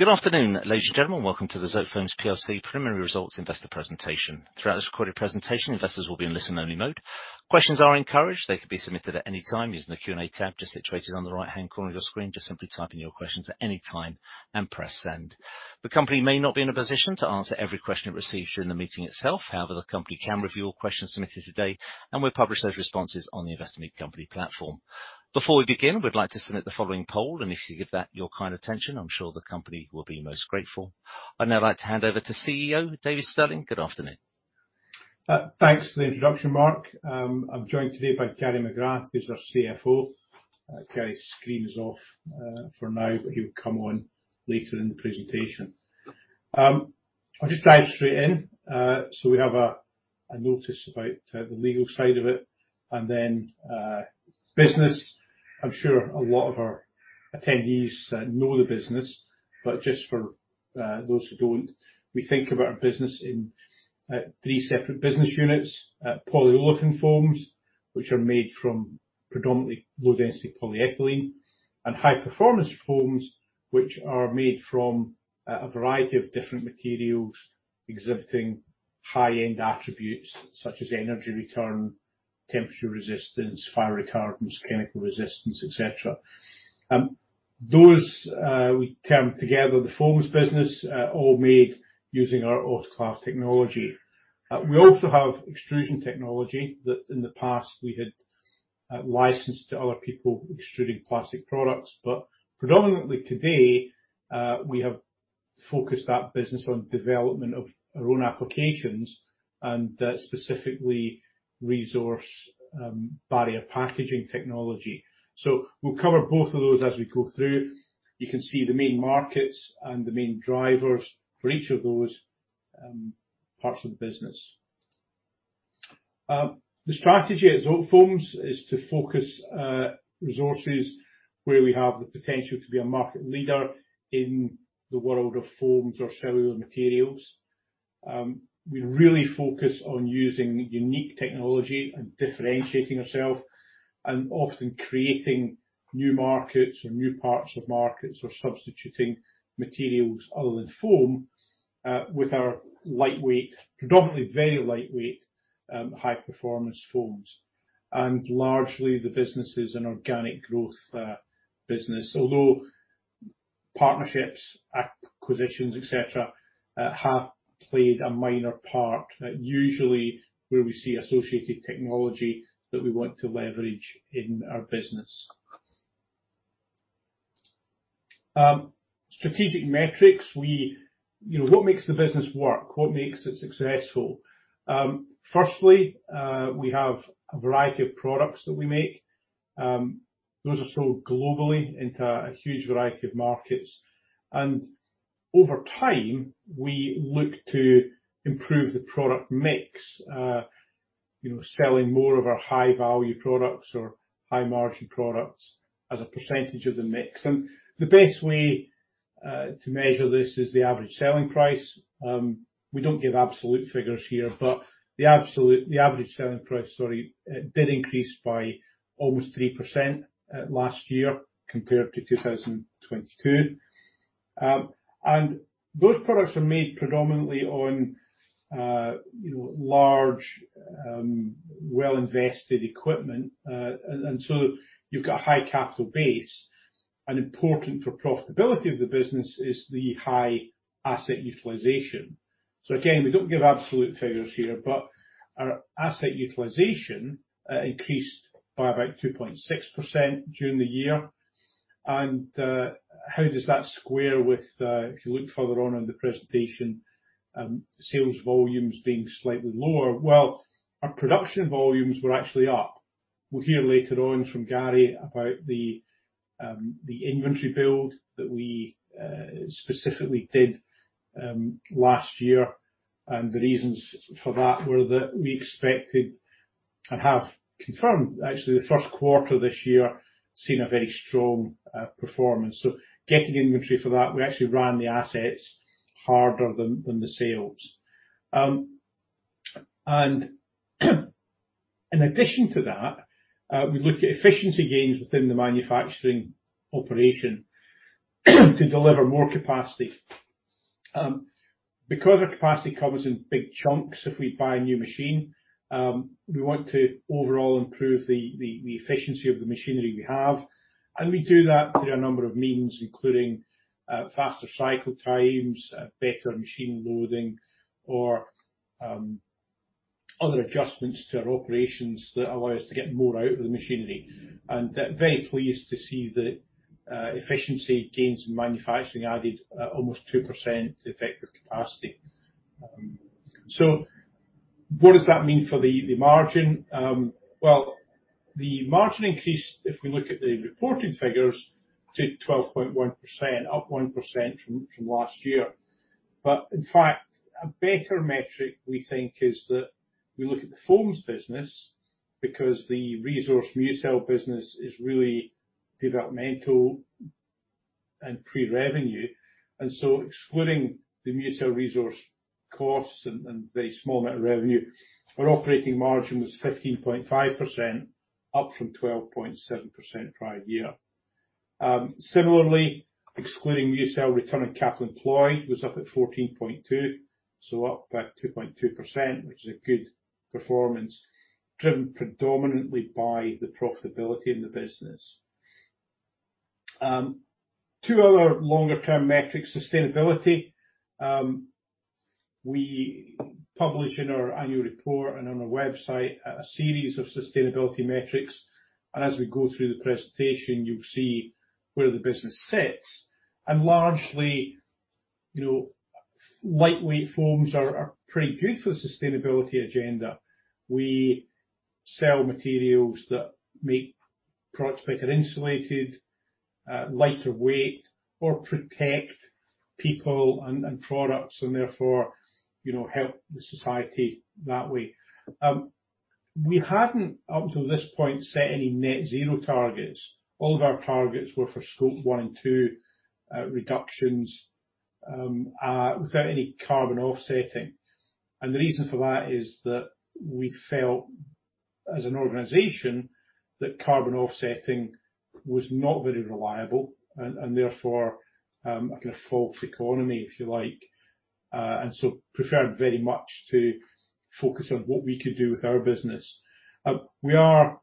Good afternoon, ladies and gentlemen. Welcome to the Zotefoams plc preliminary results investor presentation. Throughout this recorded presentation, investors will be in listen-only mode. Questions are encouraged. They can be submitted at any time using the Q&A tab just situated on the right-hand corner of your screen. Just simply type in your questions at any time and press Send. The company may not be in a position to answer every question it receives during the meeting itself. However, the company can review all questions submitted today, and we'll publish those responses on the Investment Company platform. Before we begin, we'd like to submit the following poll, and if you give that your kind attention, I'm sure the company will be most grateful. I'd now like to hand over to CEO David Stirling. Good afternoon. Thanks for the introduction, Mark. I'm joined today by Gary McGrath, who's our CFO. Gary's screen is off for now, but he'll come on later in the presentation. I'll just dive straight in. So we have a notice about the legal side of it and then business. I'm sure a lot of our attendees know the business, but just for those who don't, we think about our business in three separate business units. Polyolefin foams, which are made from predominantly low-density polyethylene and high-performance foams, which are made from a variety of different materials exhibiting high-end attributes such as energy return, temperature resistance, fire retardance, chemical resistance, et cetera. Those we term together the foams business, all made using our autoclave technology. We also have extrusion technology that in the past we had licensed to other people, extruding plastic products, but predominantly today we have focused that business on development of our own applications and specifically ReZorce barrier packaging technology. So we'll cover both of those as we go through. You can see the main markets and the main drivers for each of those parts of the business. The strategy at Zotefoams is to focus resources where we have the potential to be a market leader in the world of foams or cellular materials. We really focus on using unique technology and differentiating ourself, and often creating new markets or new parts of markets, or substituting materials other than foam with our lightweight, predominantly very lightweight high-performance foams. And largely, the business is an organic growth business, although partnerships, acquisitions, et cetera, have played a minor part, usually where we see associated technology that we want to leverage in our business. Strategic metrics. You know, what makes the business work? What makes it successful? Firstly, we have a variety of products that we make. Those are sold globally into a huge variety of markets, and over time, we look to improve the product mix, you know, selling more of our high-value products or high-margin products as a percentage of the mix. And the best way to measure this is the average selling price. We don't give absolute figures here, but the absolute... The average selling price, sorry, did increase by almost 3% last year compared to 2022. And those products are made predominantly on, you know, large, well-invested equipment. And so you've got a high capital base, and important for profitability of the business is the high asset utilization. So again, we don't give absolute figures here, but our asset utilization increased by about 2.6% during the year. And how does that square with if you look further on in the presentation, sales volumes being slightly lower? Well, our production volumes were actually up. We'll hear later on from Gary about the inventory build that we specifically did last year, and the reasons for that were that we expected, and have confirmed, actually, the first quarter this year, seen a very strong performance. So getting inventory for that, we actually ran the assets harder than the sales. In addition to that, we looked at efficiency gains within the manufacturing operation to deliver more capacity. Because our capacity comes in big chunks if we buy a new machine, we want to overall improve the efficiency of the machinery we have, and we do that through a number of means, including faster cycle times, better machine loading, or other adjustments to our operations that allow us to get more out of the machinery. We're very pleased to see the efficiency gains in manufacturing added almost 2% effective capacity. So what does that mean for the margin? Well, the margin increase, if we look at the reporting figures, to 12.1%, up 1% from last year. But in fact, a better metric, we think, is that we look at the foams business because the ReZorce MuCell business is really developmental and pre-revenue. And so excluding the MuCell ReZorce costs and the small amount of revenue, our operating margin was 15.5%, up from 12.7% prior year. Similarly, excluding MuCell return on capital employed, was up at 14.2, so up by 2.2%, which is a good performance, driven predominantly by the profitability in the business. Two other longer term metrics, sustainability. We publish in our annual report and on our website a series of sustainability metrics, and as we go through the presentation, you'll see where the business sits. And largely, you know, lightweight foams are pretty good for the sustainability agenda. We sell materials that make products better insulated, lighter weight, or protect people and products, and therefore, you know, help the society that way. We hadn't, up until this point, set any net zero targets. All of our targets were for Scope 1 and 2 reductions, without any carbon offsetting. And the reason for that is that we felt, as an organization, that carbon offsetting was not very reliable and therefore, like a false economy, if you like. And so preferred very much to focus on what we could do with our business. We are,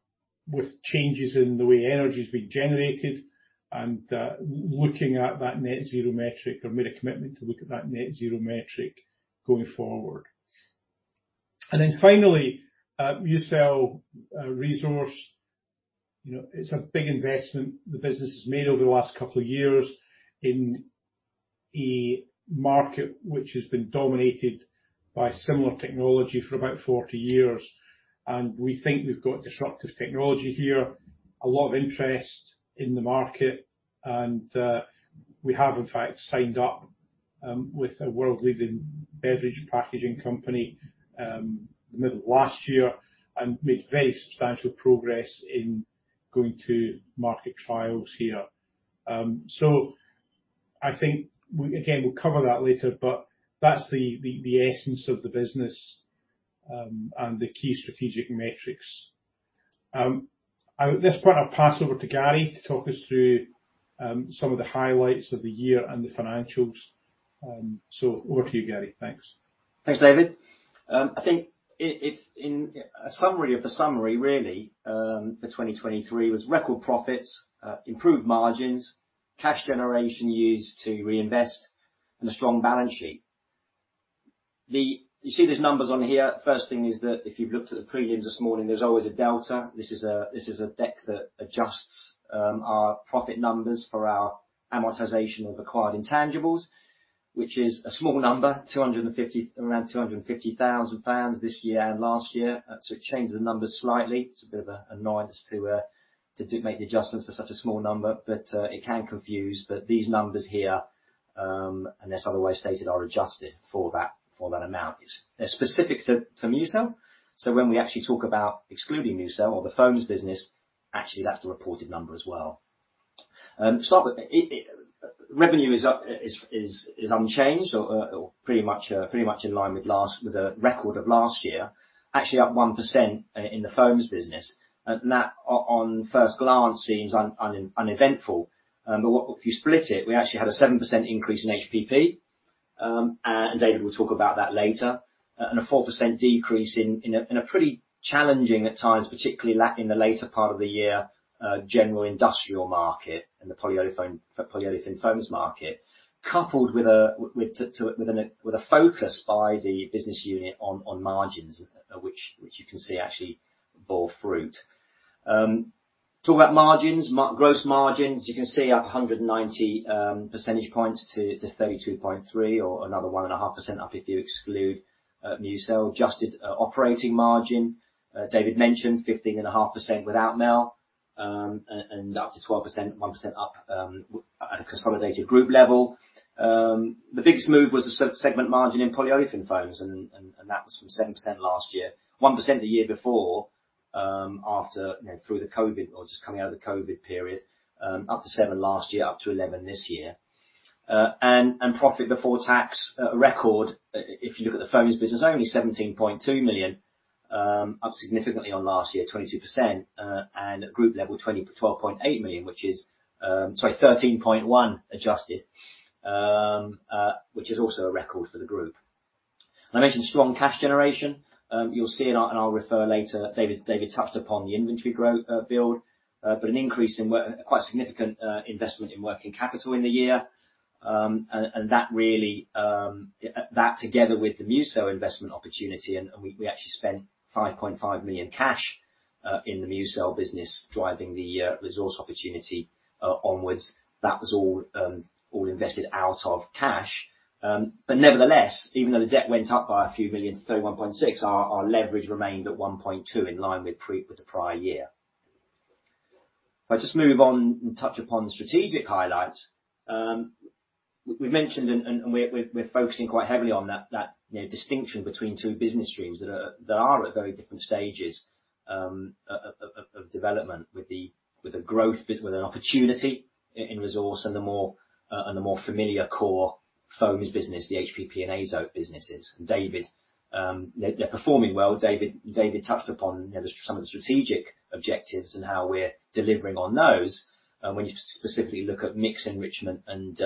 with changes in the way energy is being generated, and looking at that net zero metric, have made a commitment to look at that net zero metric going forward. And then finally, MuCell, ReZorce, you know, it's a big investment the business has made over the last couple of years in a market which has been dominated by similar technology for about 40 years. And we think we've got disruptive technology here, a lot of interest in the market, and we have in fact signed up with a world-leading beverage packaging company the middle of last year, and made very substantial progress in going to market trials here. So I think we again, we'll cover that later, but that's the essence of the business and the key strategic metrics. At this point, I'll pass over to Gary to talk us through some of the highlights of the year and the financials. So over to you, Gary. Thanks. Thanks, David. I think if, in a summary of the summary really, for 2023, was record profits, improved margins, cash generation used to reinvest, and a strong balance sheet. You see these numbers on here, first thing is that if you've looked at the prelim this morning, there's always a delta. This is a deck that adjusts our profit numbers for our amortization of acquired intangibles. Which is a small number, around 250,000 pounds this year and last year. So it changes the numbers slightly. It's a bit of an annoyance to make the adjustments for such a small number, but it can confuse. But these numbers here, unless otherwise stated, are adjusted for that, for that amount. They're specific to MuCell, so when we actually talk about excluding MuCell or the Foams business, actually, that's the reported number as well. Start with revenue is up, unchanged, or pretty much in line with the record of last year. Actually, up 1% in the Foams business. And that, on first glance, seems uneventful, but if you split it, we actually had a 7% increase in HPP. And David will talk about that later. And a 4% decrease in a pretty challenging at times, particularly in the later part of the year, general industrial market and the polyolefin foams market. Coupled with a focus by the business unit on margins, which you can see actually bore fruit. Talk about margins. Gross margins, you can see, up 190 percentage points to 32.3%, or another 1.5% up if you exclude MuCell. Adjusted operating margin, David mentioned, 15.5% without MuCell. And up to 12%, 1% up, at a consolidated group level. The biggest move was the segment margin in polyolefin foams, and that was from 7% last year, 1% the year before, after, you know, through the COVID or just coming out of the COVID period, up to 7 last year, up to 11 this year. And profit before tax, record. If you look at the Foams business, only 17.2 million, up significantly on last year, 22%, and at group level, 12.8 million, which is, sorry, 13.1 adjusted, which is also a record for the group. And I mentioned strong cash generation. You'll see, and I'll refer later, David. David touched upon the inventory growth build, but an increase in quite significant investment in working capital in the year. And that really, that together with the MuCell investment opportunity, and we actually spent 5.5 million cash in the MuCell business, driving the ReZorce opportunity onwards. That was all invested out of cash. But nevertheless, even though the debt went up by a few million to 31.6 million, our leverage remained at 1.2, in line with the prior year. If I just move on and touch upon the strategic highlights, we've mentioned and we're focusing quite heavily on that, you know, distinction between two business streams that are at very different stages of development, with an opportunity in ReZorce and the more familiar core foams business, the HPP and AZO businesses. David, they're performing well. David touched upon, you know, some of the strategic objectives and how we're delivering on those. And when you specifically look at mix enrichment and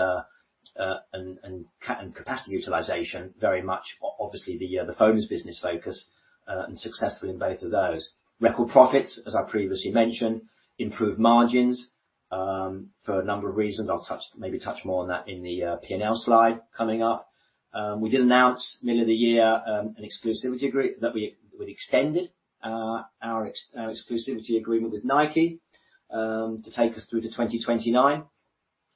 capacity utilization, very much obviously, the Foams business focus and successful in both of those. Record profits, as I previously mentioned, improved margins, for a number of reasons. I'll touch, maybe touch more on that in the P&L slide coming up. We did announce middle of the year, an exclusivity agreement that we'd extended our exclusivity agreement with Nike, to take us through to 2029.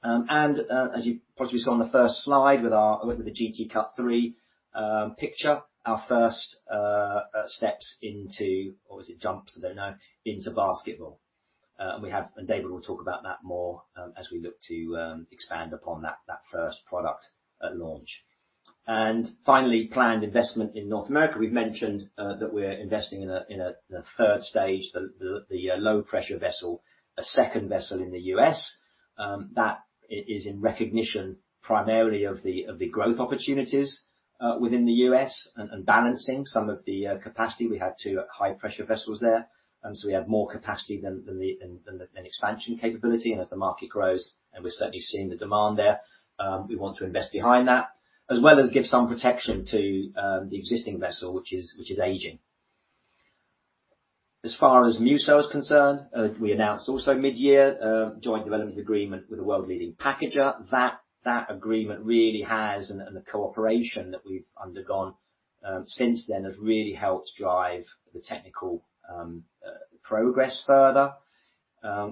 And, as you probably saw on the first slide, with our, with the G.T. Cut 3 picture, our first steps into, or is it jumps? I don't know, into basketball. And David will talk about that more, as we look to expand upon that, that first product at launch. And finally, planned investment in North America. We've mentioned that we're investing in a, the third stage, the low-pressure vessel, a second vessel in the U.S. That is in recognition primarily of the growth opportunities within the U.S. and balancing some of the capacity. We had two high-pressure vessels there, and so we have more capacity than an expansion capability. And as the market grows, and we're certainly seeing the demand there, we want to invest behind that, as well as give some protection to the existing vessel, which is aging. As far as MuCell is concerned, we announced also mid-year a joint development agreement with a world-leading packager. That agreement really has, and the cooperation that we've undergone since then, has really helped drive the technical progress further.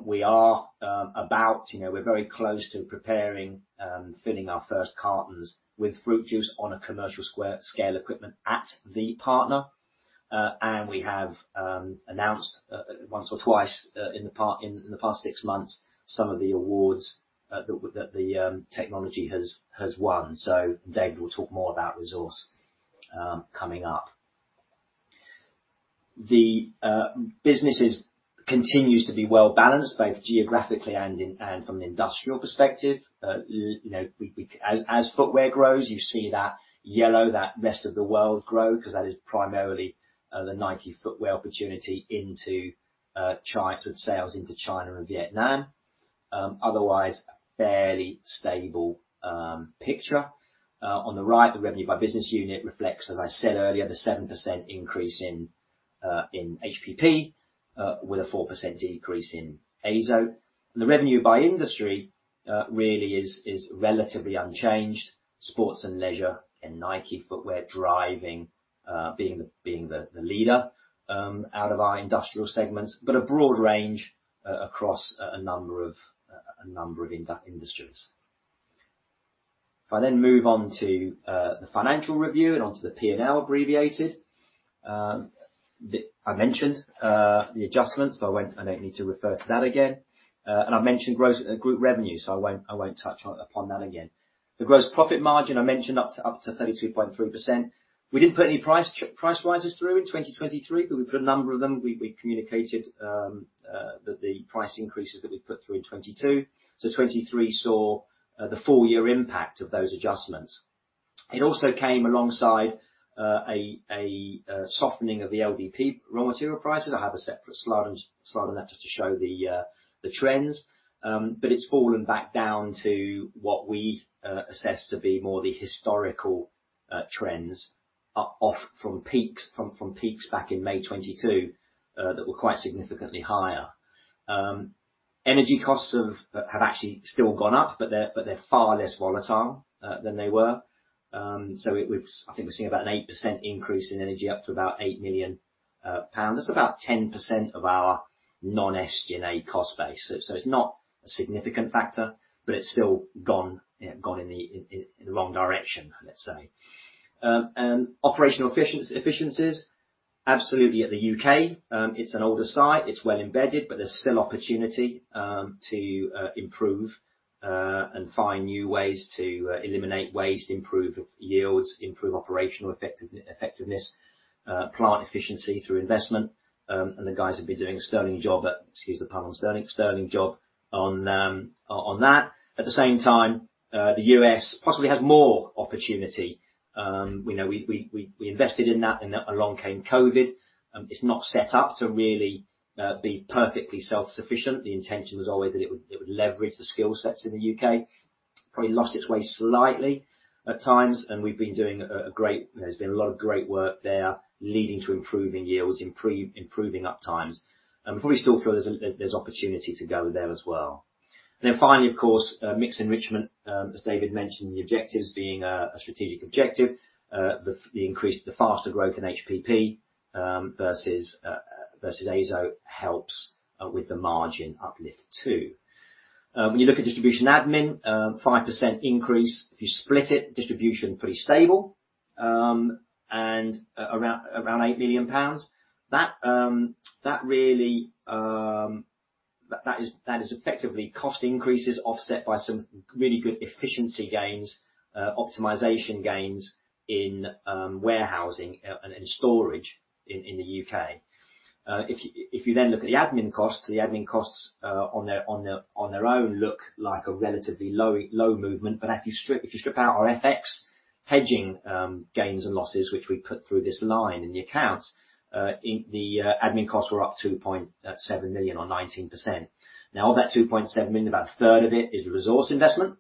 We are about, you know, we're very close to preparing and filling our first cartons with fruit juice on a commercial scale equipment at the partner. And we have announced once or twice in the past six months some of the awards that the technology has won. So David will talk more about ReZorce coming up. The businesses continues to be well-balanced both geographically and from an industrial perspective. You know, we, as footwear grows, you see that yellow, that rest of the world grow, because that is primarily the Nike footwear opportunity into China, with sales into China and Vietnam. Otherwise, a fairly stable picture. On the right, the revenue by business unit reflects, as I said earlier, the 7% increase in HPP, with a 4% decrease in AZO. The revenue by industry really is relatively unchanged. Sports and leisure and Nike footwear driving, being the leader out of our industrial segments, but a broad range across a number of industries. If I then move on to the financial review and onto the P&L abbreviated, the I mentioned the adjustments, so I won't I don't need to refer to that again. And I've mentioned gross group revenue, so I won't, I won't touch on upon that again. The gross profit margin, I mentioned, up to 32.3%. We didn't put any price price rises through in 2023, but we put a number of them. We, we communicated that the price increases that we put through in 2022. So 2023 saw the full year impact of those adjustments. It also came alongside a softening of the LDPE raw material prices. I have a separate slide on that just to show the trends. But it's fallen back down to what we assess to be more the historical trends off from peaks back in May 2022 that were quite significantly higher. Energy costs have actually still gone up, but they're far less volatile than they were. So I think we've seen about an 8% increase in energy, up to about 8 million pounds. That's about 10% of our non-SG&A cost base. So it's not a significant factor, but it's still gone in the wrong direction, let's say. And operational efficiencies, absolutely, at the U.K., it's an older site, it's well embedded, but there's still opportunity to improve and find new ways to eliminate waste, improve yields, improve operational effectiveness, plant efficiency through investment. And the guys have been doing a sterling job, excuse the pun on sterling, sterling job on that. At the same time, the U.S. possibly has more opportunity. We know we invested in that, and then along came COVID. It's not set up to really be perfectly self-sufficient. The intention was always that it would leverage the skill sets in the U.K. Probably lost its way slightly at times, and we've been doing great work there leading to improving yields, improving up times. And we probably still feel there's opportunity to go there as well. And then finally, of course, mix enrichment, as David mentioned, the objectives being a strategic objective. The increase, the faster growth in HPP versus AZO, helps with the margin uplift, too. When you look at distribution admin, 5% increase. If you split it, distribution pretty stable, and around 8 million pounds. That really... That is effectively cost increases offset by some really good efficiency gains, optimization gains in warehousing and in storage in the U.K.. If you then look at the admin costs, the admin costs on their own look like a relatively low movement. But if you strip out our FX hedging gains and losses, which we put through this line in the accounts, admin costs were up 2.7 million or 19%. Now, of that 2.7 million, about a third of it is ReZorce investment.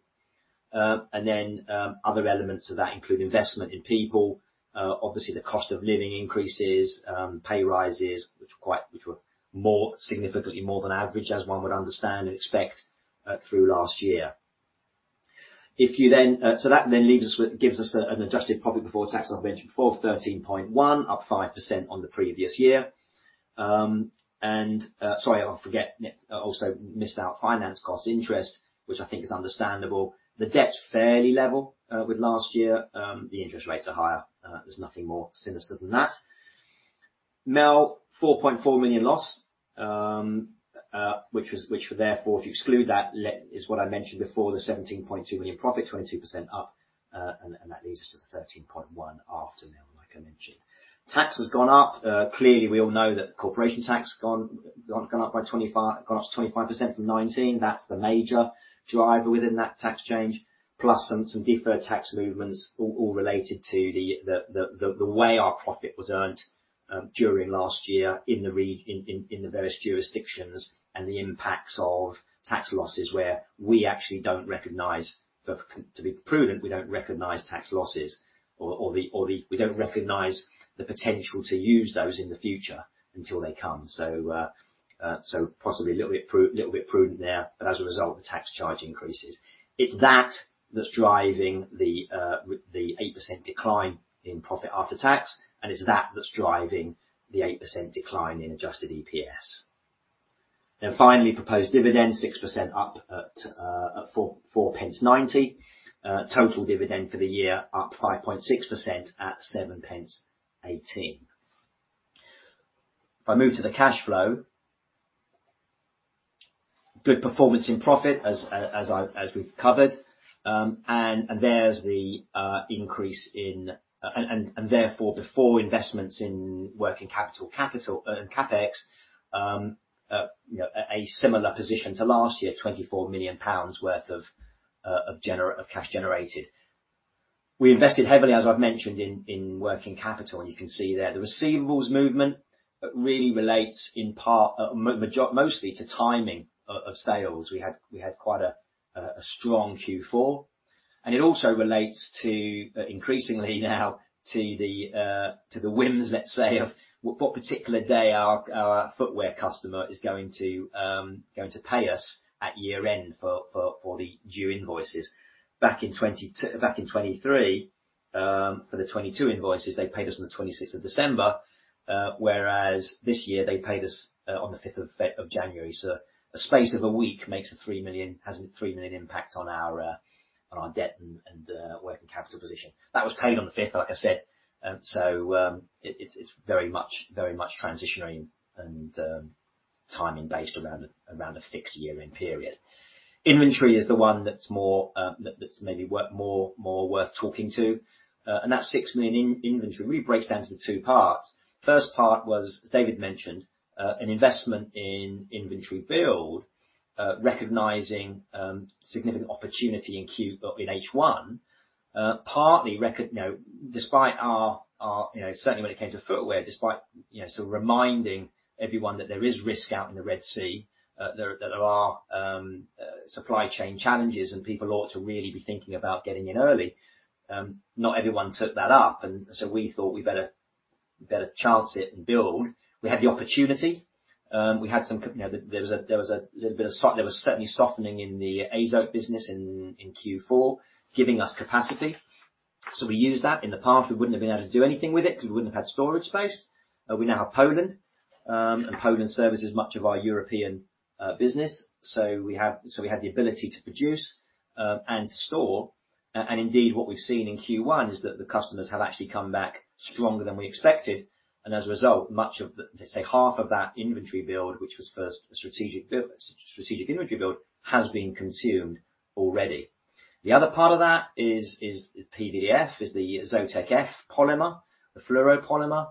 And then, other elements of that include investment in people, obviously, the cost of living increases, pay rises, which were quite—which were more, significantly more than average, as one would understand and expect, through last year. If you then gives us an adjusted profit before tax, as I mentioned before, 13.1 million, up 5% on the previous year. And, sorry, I forget, also missed out finance cost interest, which I think is understandable. The debt's fairly level with last year. The interest rates are higher, there's nothing more sinister than that. Now, 4.4 million loss, which therefore, if you exclude that, is what I mentioned before, the 17.2 million profit, 22% up, and that leads us to the 13.1 after like I mentioned. Tax has gone up. Clearly, we all know that corporation tax gone up to 25% from 19%. That's the major driver within that tax change, plus some deferred tax movements, all related to the way our profit was earned during last year in the regions in the various jurisdictions, and the impacts of tax losses where we actually don't recognize them to be prudent. We don't recognize tax losses or the potential to use those in the future until they come. So, possibly a little bit prudent there, but as a result, the tax charge increases. It's that that's driving the 8% decline in profit after tax, and it's that that's driving the 8% decline in adjusted EPS. Then finally, proposed dividend 6% up at 0.0449. Total dividend for the year, up 5.6% at 7.18 pence. If I move to the cash flow, good performance in profit, as we've covered. And there's the increase in... and therefore, before investments in working capital, capital, CapEx, you know, a similar position to last year, 24 million pounds worth of generated cash. We invested heavily, as I've mentioned, in working capital, and you can see there the receivables movement, really relates in part, mostly to timing of sales. We had, we had quite a, a, a strong Q4, and it also relates to, increasingly now, to the, to the whims, let's say, of what particular day our, our footwear customer is going to, going to pay us at year-end for, for, for the due invoices. Back in 2023, for the 2022 invoices, they paid us on the twenty-sixth of December, whereas this year they paid us, on the fifth of January. So a space of a week makes a 3 million--has a 3 million impact on our, on our debt and, and, working capital position. That was paid on the fifth, like I said, so, it, it's, it's very much, very much transitory and, timing based around, around a fixed year-end period. Inventory is the one that's more, that, that's maybe worth more, more worth talking to, and that's 6 million in inventory. Really breaks down to the two parts. First part was, David mentioned, an investment in inventory build, recognizing significant opportunity in H1. Partly recognizing, you know, despite our, you know, certainly when it came to footwear, despite, you know, sort of reminding everyone that there is risk out in the Red Sea, there are supply chain challenges, and people ought to really be thinking about getting in early. Not everyone took that up, and so we thought we better chance it and build. We had the opportunity, you know, there was certainly softening in the AZO business in Q4, giving us capacity, so we used that. In the past, we wouldn't have been able to do anything with it, because we wouldn't have had storage space. But we now have Poland, and Poland services much of our European business. So we have the ability to produce and to store. And indeed, what we've seen in Q1 is that the customers have actually come back stronger than we expected, and as a result, much of the, let's say, half of that inventory build, which was first a strategic build, strategic inventory build, has been consumed already. The other part of that is the PVDF, the ZOTEK F polymer, the fluoropolymer,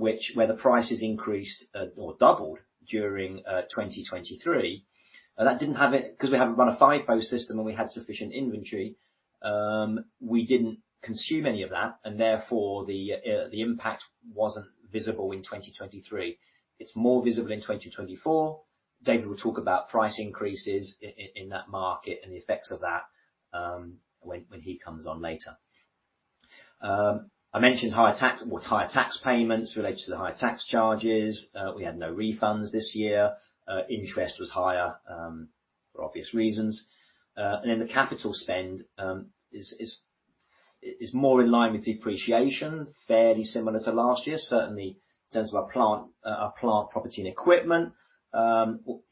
which where the prices increased or doubled during 2023. But that didn't have it—'cause we haven't run a FIFO system and we had sufficient inventory, we didn't consume any of that, and therefore, the impact wasn't visible in 2023. It's more visible in 2024. David will talk about price increases in that market and the effects of that, when he comes on later. I mentioned higher tax, well, higher tax payments related to the higher tax charges. We had no refunds this year. Interest was higher, for obvious reasons. And then the capital spend is more in line with depreciation, fairly similar to last year, certainly in terms of our plant, our plant property and equipment,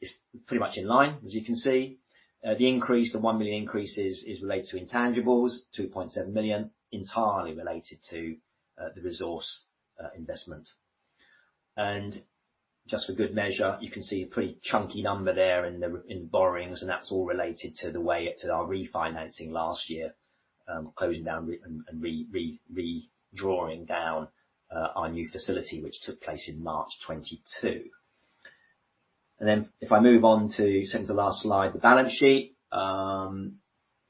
it's pretty much in line, as you can see. The increase, the 1 million increase is related to intangibles, 2.7 million, entirely related to the ReZorce investment. And just for good measure, you can see a pretty chunky number there in the borrowings, and that's all related to the way it to our refinancing last year, closing down and redrawing down our new facility, which took place in March 2022. And then, if I move on to second to last slide, the balance sheet.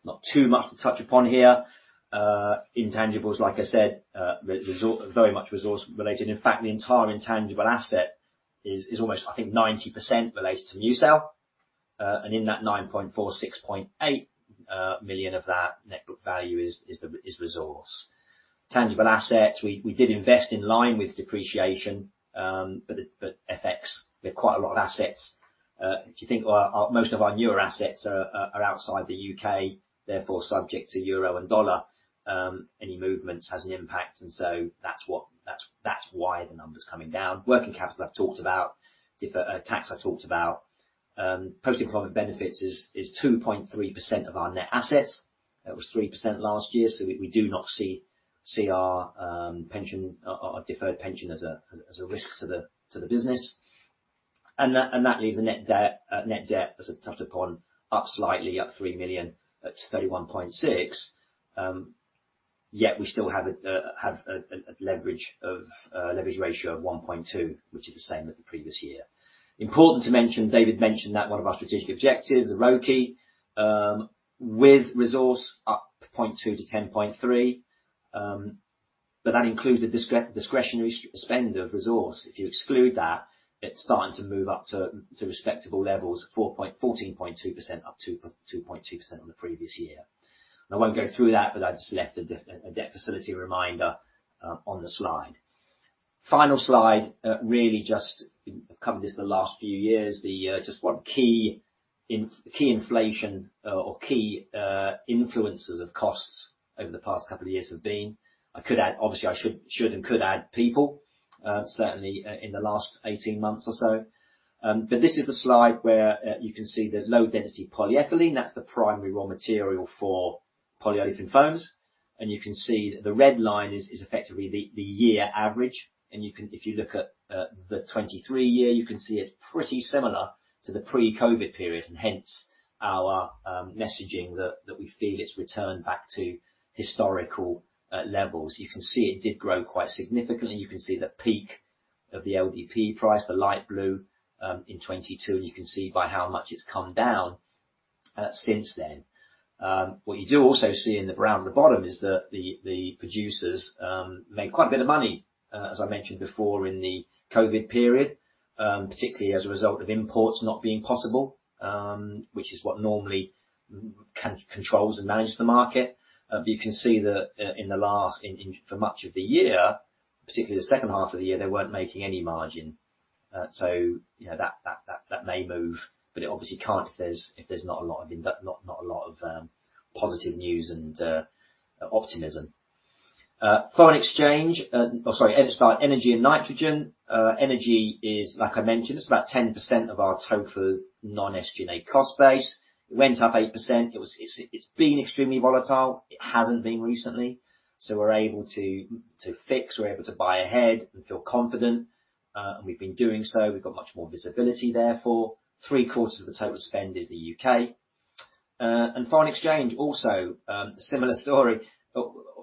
Not too much to touch upon here. Intangibles, like I said, very much ReZorce related. In fact, the entire intangible asset is almost, I think, 90% related to MuCell. And in that 9.4 million, 6.8 million of that net book value is the ReZorce. Tangible assets, we did invest in line with depreciation, but FX, we have quite a lot of assets. If you think our most of our newer assets are outside the U.K., therefore subject to euro and dollar, any movements has an impact, and so that's why the number's coming down. Working capital, I've talked about. Deferred tax, I've talked about. Post-employment benefits is 2.3% of our net assets. That was 3% last year, so we do not see our pension or our deferred pension as a risk to the business. And that leaves a net debt, as I touched upon, up slightly, up 3 million to 31.6 million. Yet we still have a leverage ratio of 1.2, which is the same as the previous year. Important to mention, David mentioned that one of our strategic objectives, ROCE, with ReZorce up 0.2 to 10.3, but that includes the discretionary spend of ReZorce. If you exclude that, it's starting to move up to respectable levels, 14.2%, up 2.2% on the previous year. I won't go through that, but I just left a debt facility reminder on the slide. Final slide, really just covering this, the last few years, the just what key inflation or key influences of costs over the past couple of years have been. I could add, obviously, I should and could add people, certainly, in the last 18 months or so. But this is the slide where you can see the low-density polyethylene, that's the primary raw material for polyolefin foams. And you can see that the red line is effectively the year average, and you can, if you look at the 2023 year, you can see it's pretty similar to the pre-COVID period, and hence our messaging that we feel it's returned back to historical levels. You can see it did grow quite significantly. You can see the peak of the LDPE price, the light blue, in 2022, and you can see by how much it's come down since then. What you do also see in the brown at the bottom is that the producers made quite a bit of money, as I mentioned before, in the COVID period, particularly as a result of imports not being possible, which is what normally controls and manages the market. But you can see that in the last year for much of the year, particularly the second half of the year, they weren't making any margin. So you know, that may move, but it obviously can't if there's not a lot of positive news and optimism. Foreign exchange, or sorry, let's start energy and nitrogen. Energy is, like I mentioned, it's about 10% of our total non-SG&A cost base. It went up 8%. It's been extremely volatile. It hasn't been recently, so we're able to fix, we're able to buy ahead and feel confident, and we've been doing so. We've got much more visibility therefore. Three quarters of the total spend is the U.K.. And foreign exchange, also, similar story,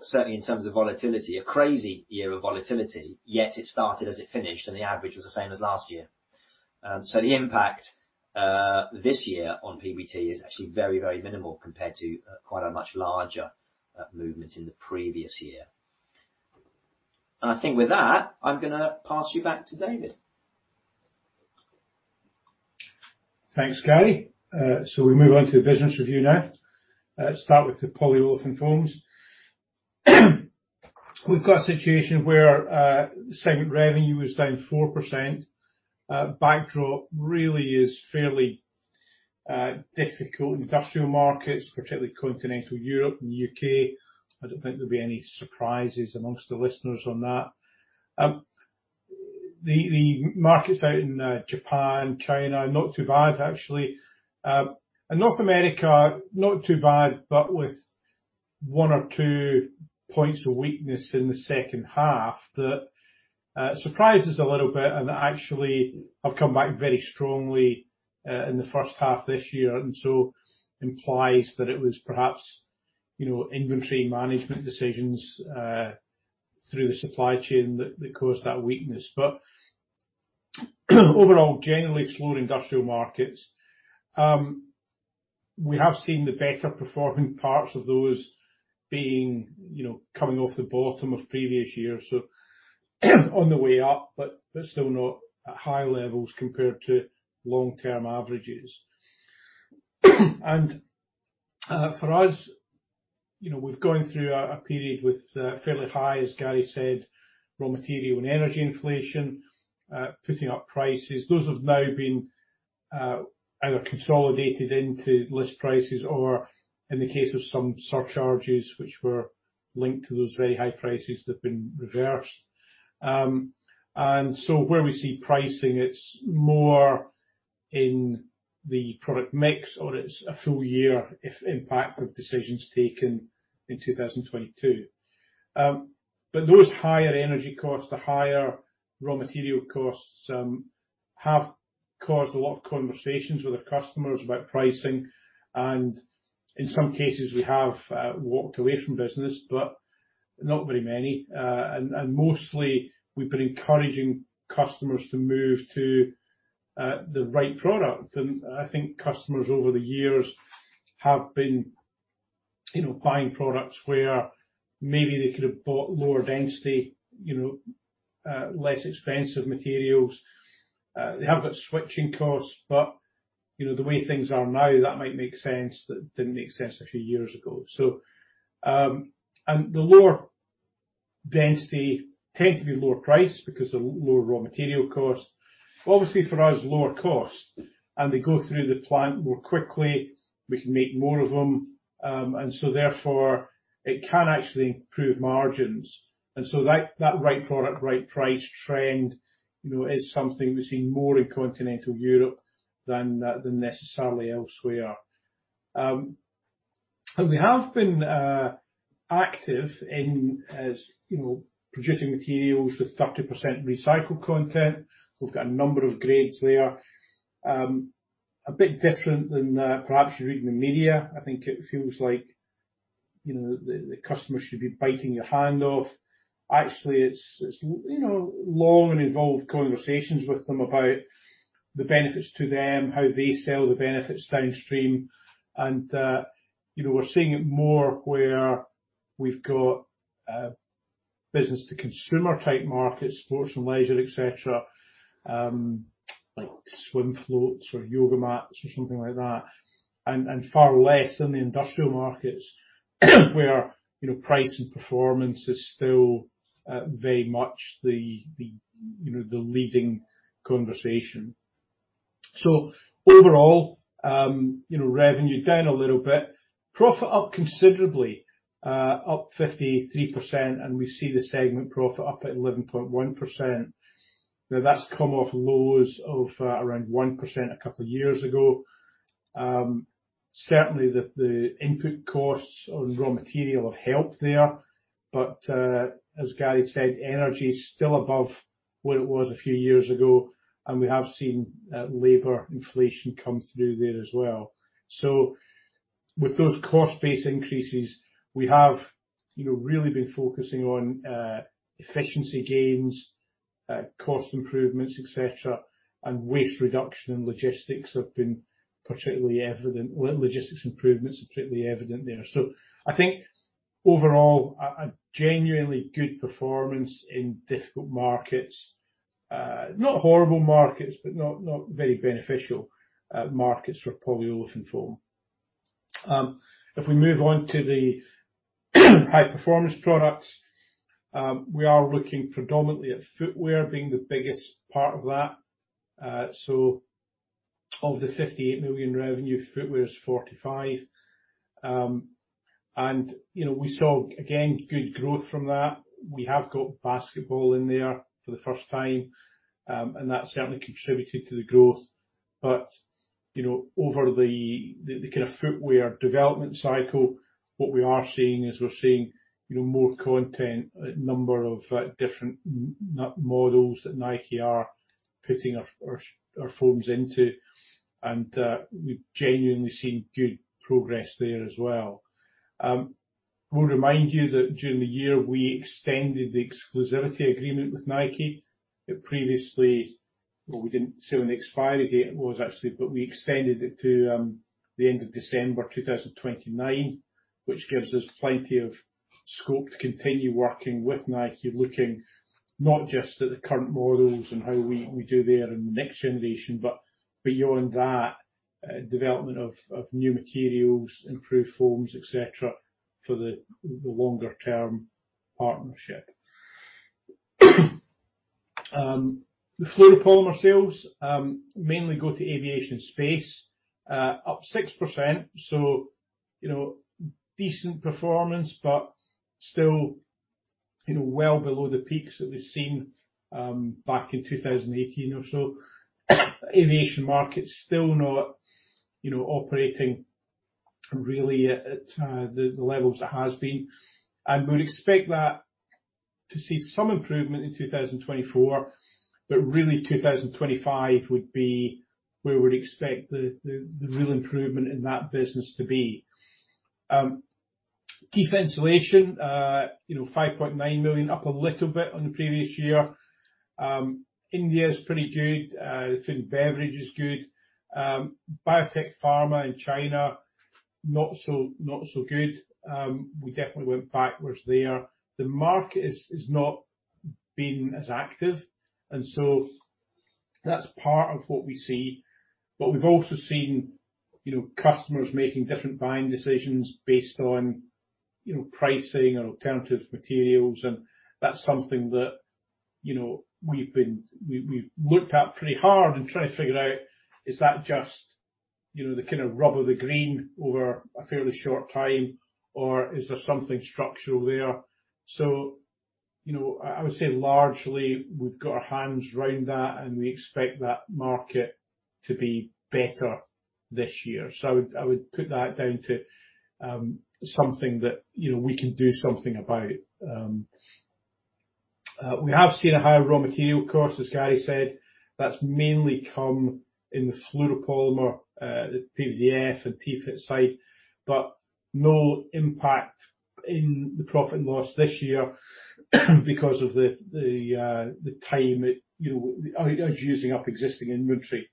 certainly in terms of volatility, a crazy year of volatility, yet it started as it finished, and the average was the same as last year. The impact this year on PBT is actually very, very minimal compared to quite a much larger movement in the previous year. I think with that, I'm gonna pass you back to David. Thanks, Gary. So we move on to the business review now. Start with the polyolefin foams. We've got a situation where, segment revenue is down 4%. Backdrop really is fairly, difficult industrial markets, particularly Continental Europe and the U.K. I don't think there'll be any surprises amongst the listeners on that. The markets out in, Japan, China, not too bad, actually. And North America, not too bad, but with one or two points of weakness in the second half, that surprises a little bit, and actually have come back very strongly, in the first half this year, and so implies that it was perhaps, you know, inventory management decisions, through the supply chain that caused that weakness. But, overall, generally slow industrial markets. We have seen the better performing parts of those being, you know, coming off the bottom of previous years, so on the way up, but still not at high levels compared to long-term averages. For us, you know, we've gone through a period with fairly high, as Gary said, raw material and energy inflation, putting up prices. Those have now been either consolidated into list prices or, in the case of some surcharges which were linked to those very high prices, they've been reversed. And so where we see pricing, it's more in the product mix, or it's a full year impact of decisions taken in 2022. But those higher energy costs, the higher raw material costs, have caused a lot of conversations with our customers about pricing, and in some cases, we have walked away from business, but not very many. And mostly, we've been encouraging customers to move to the right product. And I think customers, over the years, have been, you know, buying products where maybe they could have bought lower density, you know, less expensive materials. They have got switching costs, but, you know, the way things are now, that might make sense, that didn't make sense a few years ago. So, and the lower density tend to be lower price because of lower raw material cost. Obviously, for us, lower cost, and they go through the plant more quickly, we can make more of them, and so therefore, it can actually improve margins. And so that, that right product, right price trend, you know, is something we've seen more in Continental Europe than than necessarily elsewhere. And we have been active in, as you know, producing materials with 30% recycled content. We've got a number of grades there. A bit different than, perhaps you read in the media, I think it feels like, you know, the customers should be biting your hand off. Actually, it's long and involved conversations with them about the benefits to them, how they sell the benefits downstream, and you know, we're seeing it more where we've got business-to-consumer type markets, sports and leisure, et cetera, like swim floats or yoga mats or something like that, and far less in the industrial markets, where you know, price and performance is still very much the leading conversation. So overall, you know, revenue down a little bit, profit up considerably, up 53%, and we see the segment profit up at 11.1%. Now, that's come off lows of around 1% a couple of years ago. Certainly, the input costs on raw material have helped there, but, as Gary said, energy is still above where it was a few years ago, and we have seen, labor inflation come through there as well. So with those cost-based increases, we have, you know, really been focusing on, efficiency gains, cost improvements, et cetera, and waste reduction and logistics have been particularly evident. Well, logistics improvements are particularly evident there. So I think overall, a genuinely good performance in difficult markets. Not horrible markets, but not very beneficial, markets for polyolefin foam. If we move on to the high-performance products, we are looking predominantly at footwear being the biggest part of that. So of the 58 million revenue, footwear is 45 million. And, you know, we saw, again, good growth from that. We have got basketball in there for the first time, and that certainly contributed to the growth. But, you know, over the kind of footwear development cycle, what we are seeing is, we're seeing, you know, more content, a number of different models that Nike are putting our foams into, and we've genuinely seen good progress there as well. We'll remind you that during the year, we extended the exclusivity agreement with Nike. It previously... Well, we didn't say when the expiry date was, actually, but we extended it to the end of December 2029, which gives us plenty of scope to continue working with Nike, looking not just at the current models and how we, we do there in the next generation, but beyond that, development of, of new materials, improved foams, et cetera, for the, the longer term partnership. The fluoropolymer sales mainly go to aviation and space, up 6%, so, you know, decent performance, but still, you know, well below the peaks that we've seen back in 2018 or so. Aviation market's still not, you know, operating really at, at the, the levels it has been. We would expect that to see some improvement in 2024, but really, 2025 would be where we'd expect the real improvement in that business to be. T-FIT, you know, 5.9 million, up a little bit on the previous year. India is pretty good. Food and beverage is good. Biotech, pharma in China, not so, not so good. We definitely went backwards there. The market is not being as active, and so that's part of what we see. But we've also seen, you know, customers making different buying decisions based on, you know, pricing or alternative materials, and that's something that, you know, we've looked at pretty hard and trying to figure out, is that just, you know, the kind of rub of the green over a fairly short time, or is there something structural there? So, you know, I would say largely we've got our hands around that, and we expect that market to be better this year. So I would, I would put that down to something that, you know, we can do something about. We have seen a higher raw material cost, as Gary said. That's mainly come in the fluoropolymer, the PVDF and TFE site, but no impact in the profit and loss this year, because of the time it, you know, it's using up existing inventory.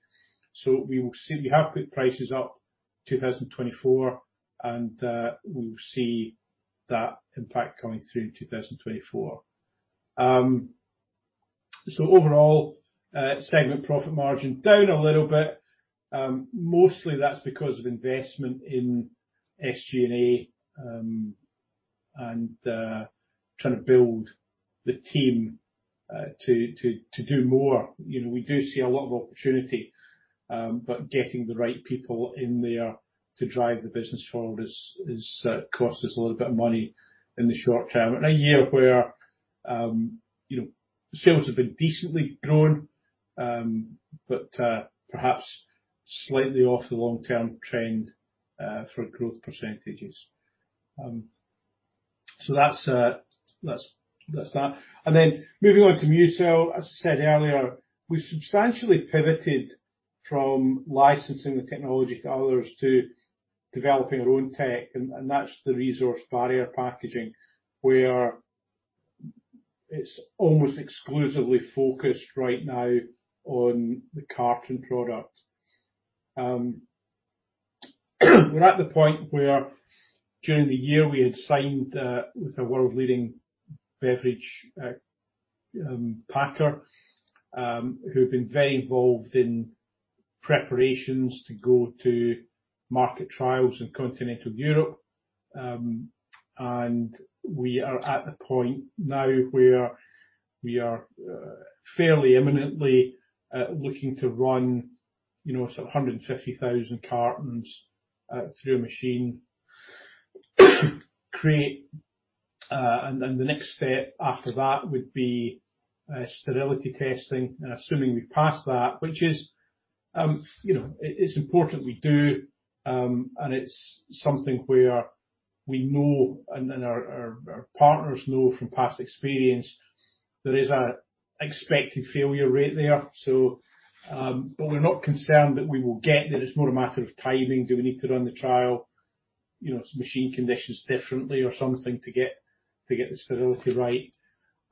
So we will see. We have put prices up 2024, and we will see that impact coming through in 2024. So overall, segment profit margin down a little bit. Mostly that's because of investment in SG&A, and trying to build the team, to do more. You know, we do see a lot of opportunity, but getting the right people in there to drive the business forward is cost us a little bit of money in the short term. In a year where, you know, sales have been decently growing, but perhaps slightly off the long-term trend for growth percentages. So that's, that's, that's that. And then moving on to MuCell, as I said earlier, we substantially pivoted from licensing the technology to others to developing our own tech, and that's the ReZorce barrier packaging, where it's almost exclusively focused right now on the carton product. We're at the point where during the year we had signed with a world-leading beverage packer, who've been very involved in preparations to go to market trials in Continental Europe. And we are at the point now where we are fairly imminently looking to run, you know, some 150,000 cartons through a machine. Create... Then the next step after that would be sterility testing. Assuming we pass that, which is, you know, it's important we do, and it's something where we know and then our partners know from past experience there is an expected failure rate there, so. But we're not concerned that we will get there. It's more a matter of timing. Do we need to run the trial, you know, machine conditions differently or something to get the sterility right?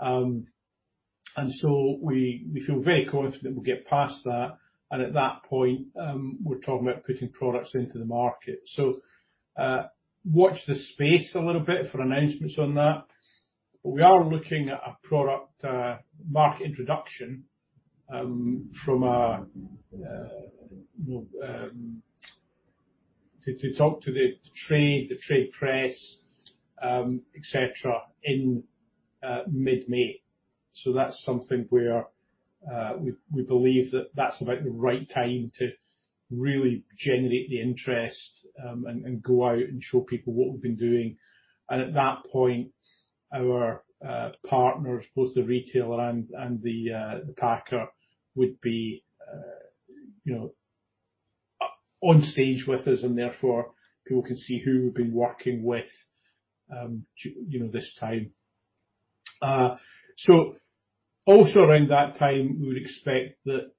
And so we feel very confident we'll get past that, and at that point, we're talking about putting products into the market. So, watch this space a little bit for announcements on that. We are looking at a product market introduction from a you know to talk to the trade press et cetera in mid-May. So that's something where we believe that that's about the right time to really generate the interest and go out and show people what we've been doing. And at that point our partners both the retailer and the packer would be you know on stage with us and therefore people can see who we've been doing with you know this time. So also around that time we would expect that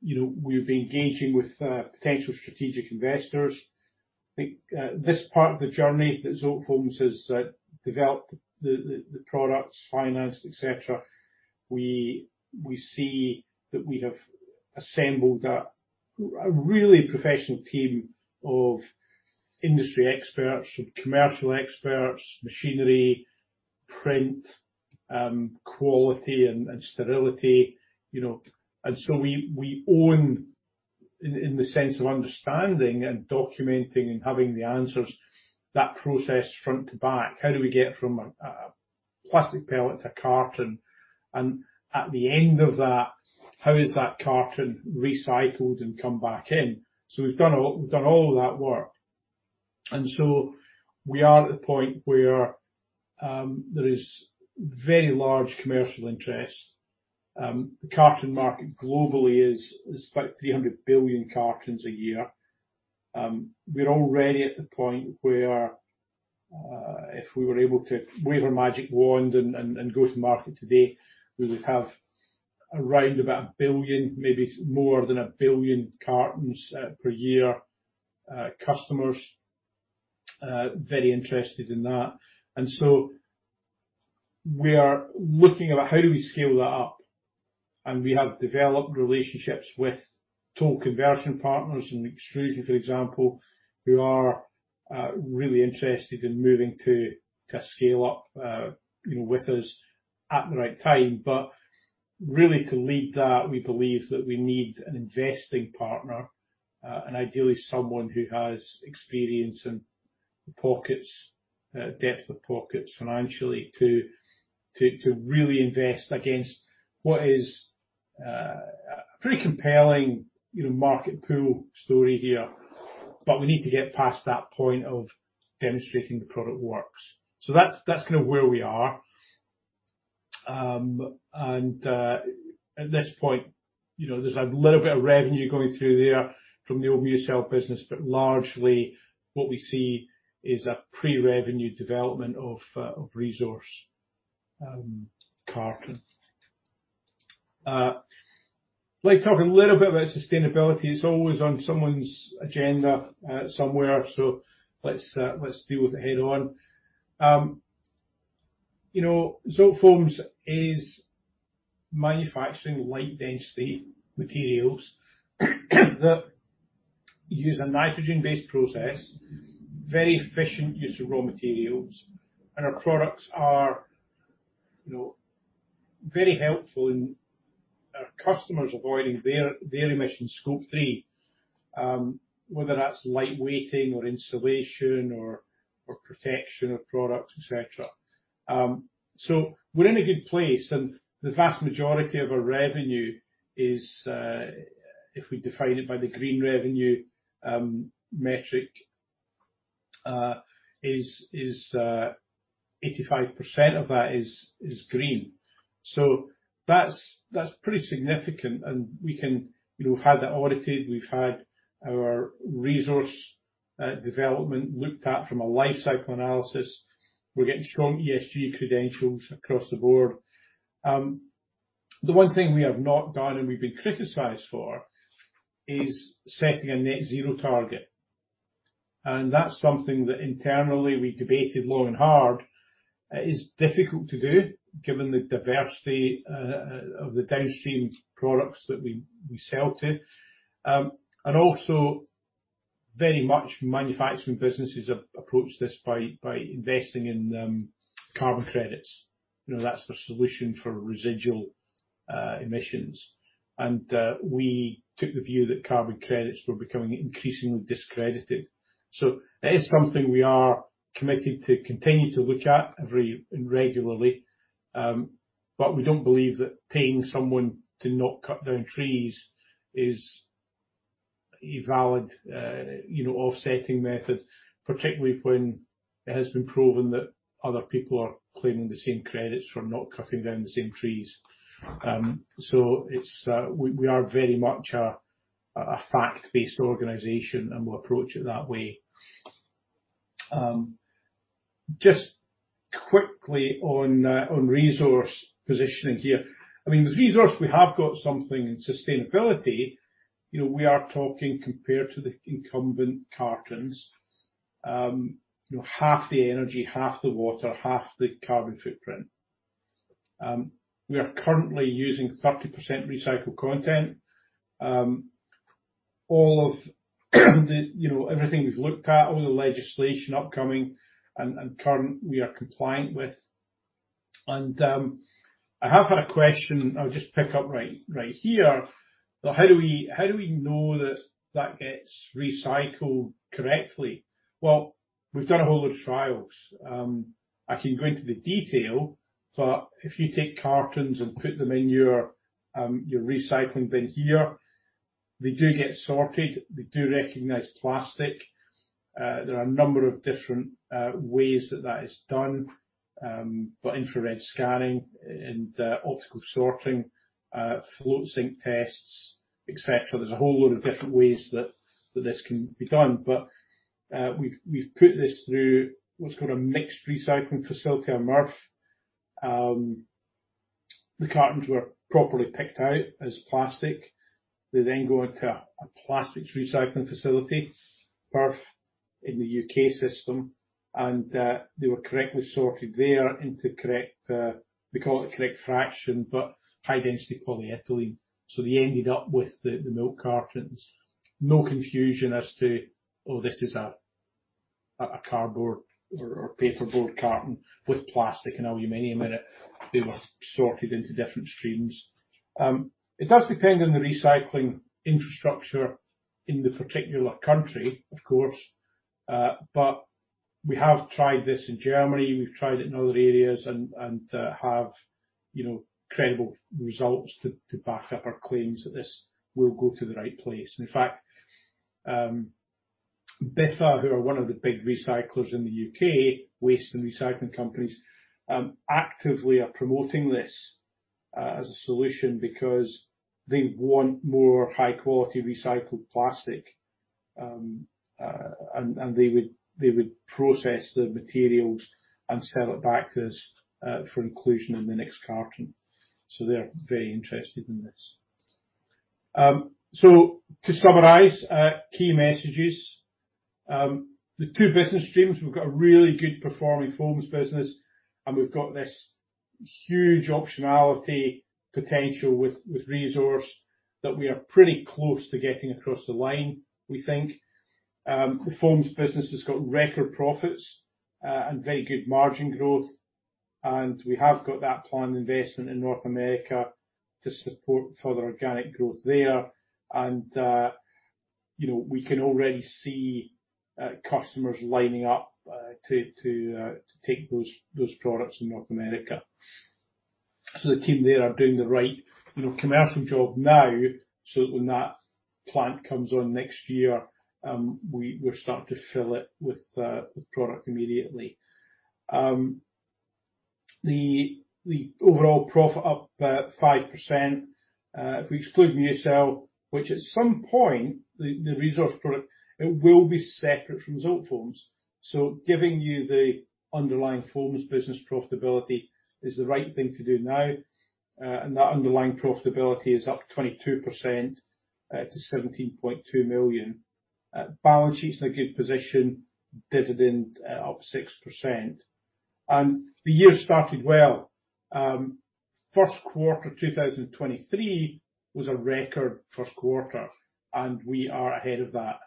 you know we'll be engaging with potential strategic investors. I think this part of the journey that Zotefoams has developed the products, financed, et cetera, we see that we have assembled a really professional team of industry experts, of commercial experts, machinery, print, quality, and sterility, you know. And so we own, in the sense of understanding and documenting and having the answers, that process front to back. How do we get from a plastic pellet to a carton? And at the end of that, how is that carton recycled and come back in? So we've done all that work. And so we are at the point where there is very large commercial interest. The carton market globally is about 300 billion cartons a year. We're already at the point where, if we were able to wave a magic wand and go to market today, we would have around about 1 billion, maybe more than 1 billion cartons per year, customers very interested in that. And so we are looking at how do we scale that up? And we have developed relationships with tool conversion partners and extrusion, for example, who are really interested in moving to scale up, you know, with us at the right time. But really to lead that, we believe that we need an investing partner, and ideally someone who has experience and pockets, depth of pockets financially to really invest against what is a pretty compelling, you know, market pool story here.... but we need to get past that point of demonstrating the product works. So that's kind of where we are. And at this point, you know, there's a little bit of revenue going through there from the MuCell business, but largely, what we see is a pre-revenue development of ReZorce carton. I'd like to talk a little bit about sustainability. It's always on someone's agenda somewhere, so let's deal with it head-on. You know, Zotefoams is manufacturing light density materials that use a nitrogen-based process, very efficient use of raw materials, and our products are, you know, very helpful in our customers avoiding their emission Scope 3, whether that's lightweighting or insulation or protection of products, et cetera. So we're in a good place, and the vast majority of our revenue is, if we define it by the green revenue metric, is 85% of that is green. So that's pretty significant, and we can—we've had that audited, we've had our ReZorce development looked at from a life cycle analysis. We're getting strong ESG credentials across the board. The one thing we have not done, and we've been criticized for, is setting a net zero target. And that's something that internally we debated long and hard. It is difficult to do, given the diversity of the downstream products that we sell to. And also very much manufacturing businesses approached this by investing in carbon credits. You know, that's the solution for residual emissions, and we took the view that carbon credits were becoming increasingly discredited. So that is something we are committed to continue to look at every, and regularly, but we don't believe that paying someone to not cut down trees is a valid, you know, offsetting method, particularly when it has been proven that other people are claiming the same credits for not cutting down the same trees. So it's, we, we are very much a fact-based organization, and we'll approach it that way. Just quickly on on ReZorce positioning here. I mean, with ReZorce, we have got something in sustainability. You know, we are talking compared to the incumbent cartons, you know, half the energy, half the water, half the carbon footprint. We are currently using 30% recycled content, all of the... you know, everything we've looked at, all the legislation upcoming and, and current, we are compliant with. And, I have had a question, I'll just pick up right, right here. How do we, how do we know that that gets recycled correctly? Well, we've done a whole load of trials. I can go into the detail, but if you take cartons and put them in your, your recycling bin here, they do get sorted. They do recognize plastic. There are a number of different ways that that is done, but infrared scanning and, optical sorting, float-sink tests, et cetera. There's a whole load of different ways that, that this can be done, but, we've, we've put this through what's called a materials recovery facility, a MRF. The cartons were properly picked out as plastic. They then go into a plastics recycling facility, PRF, in the U.K. system, and they were correctly sorted there into correct, we call it the correct fraction, but high density polyethylene. So they ended up with the milk cartons. No confusion as to, "Oh, this is a cardboard or paperboard carton with plastic and aluminum in it." They were sorted into different streams. It does depend on the recycling infrastructure in the particular country, of course, but we have tried this in Germany, we've tried it in other areas and have, you know, credible results to back up our claims that this will go to the right place. In fact, Biffa, who are one of the big recyclers in the U.K., waste and recycling companies, actively are promoting this, as a solution because they want more high-quality recycled plastic. And they would process the materials and sell it back to us, for inclusion in the next carton. So they're very interested in this. So to summarize, key messages, the two business streams, we've got a really good performing foams business, and we've got this huge optionality potential with ReZorce that we are pretty close to getting across the line, we think. The foams business has got record profits, and very good margin growth, and we have got that planned investment in North America to support further organic growth there. You know, we can already see customers lining up to take those products in North America. So the team there are doing the right, you know, commercial job now, so that when that plant comes on next year, we're starting to fill it with product immediately. The overall profit up 5%, if we exclude MuCell, which at some point, the ReZorce product, it will be separate from Zotefoams. So giving you the underlying foams business profitability is the right thing to do now, and that underlying profitability is up 22% to 17.2 million. Balance sheet's in a good position, dividend up 6%. And the year started well. First quarter 2023 was a record first quarter, and we are ahead of that.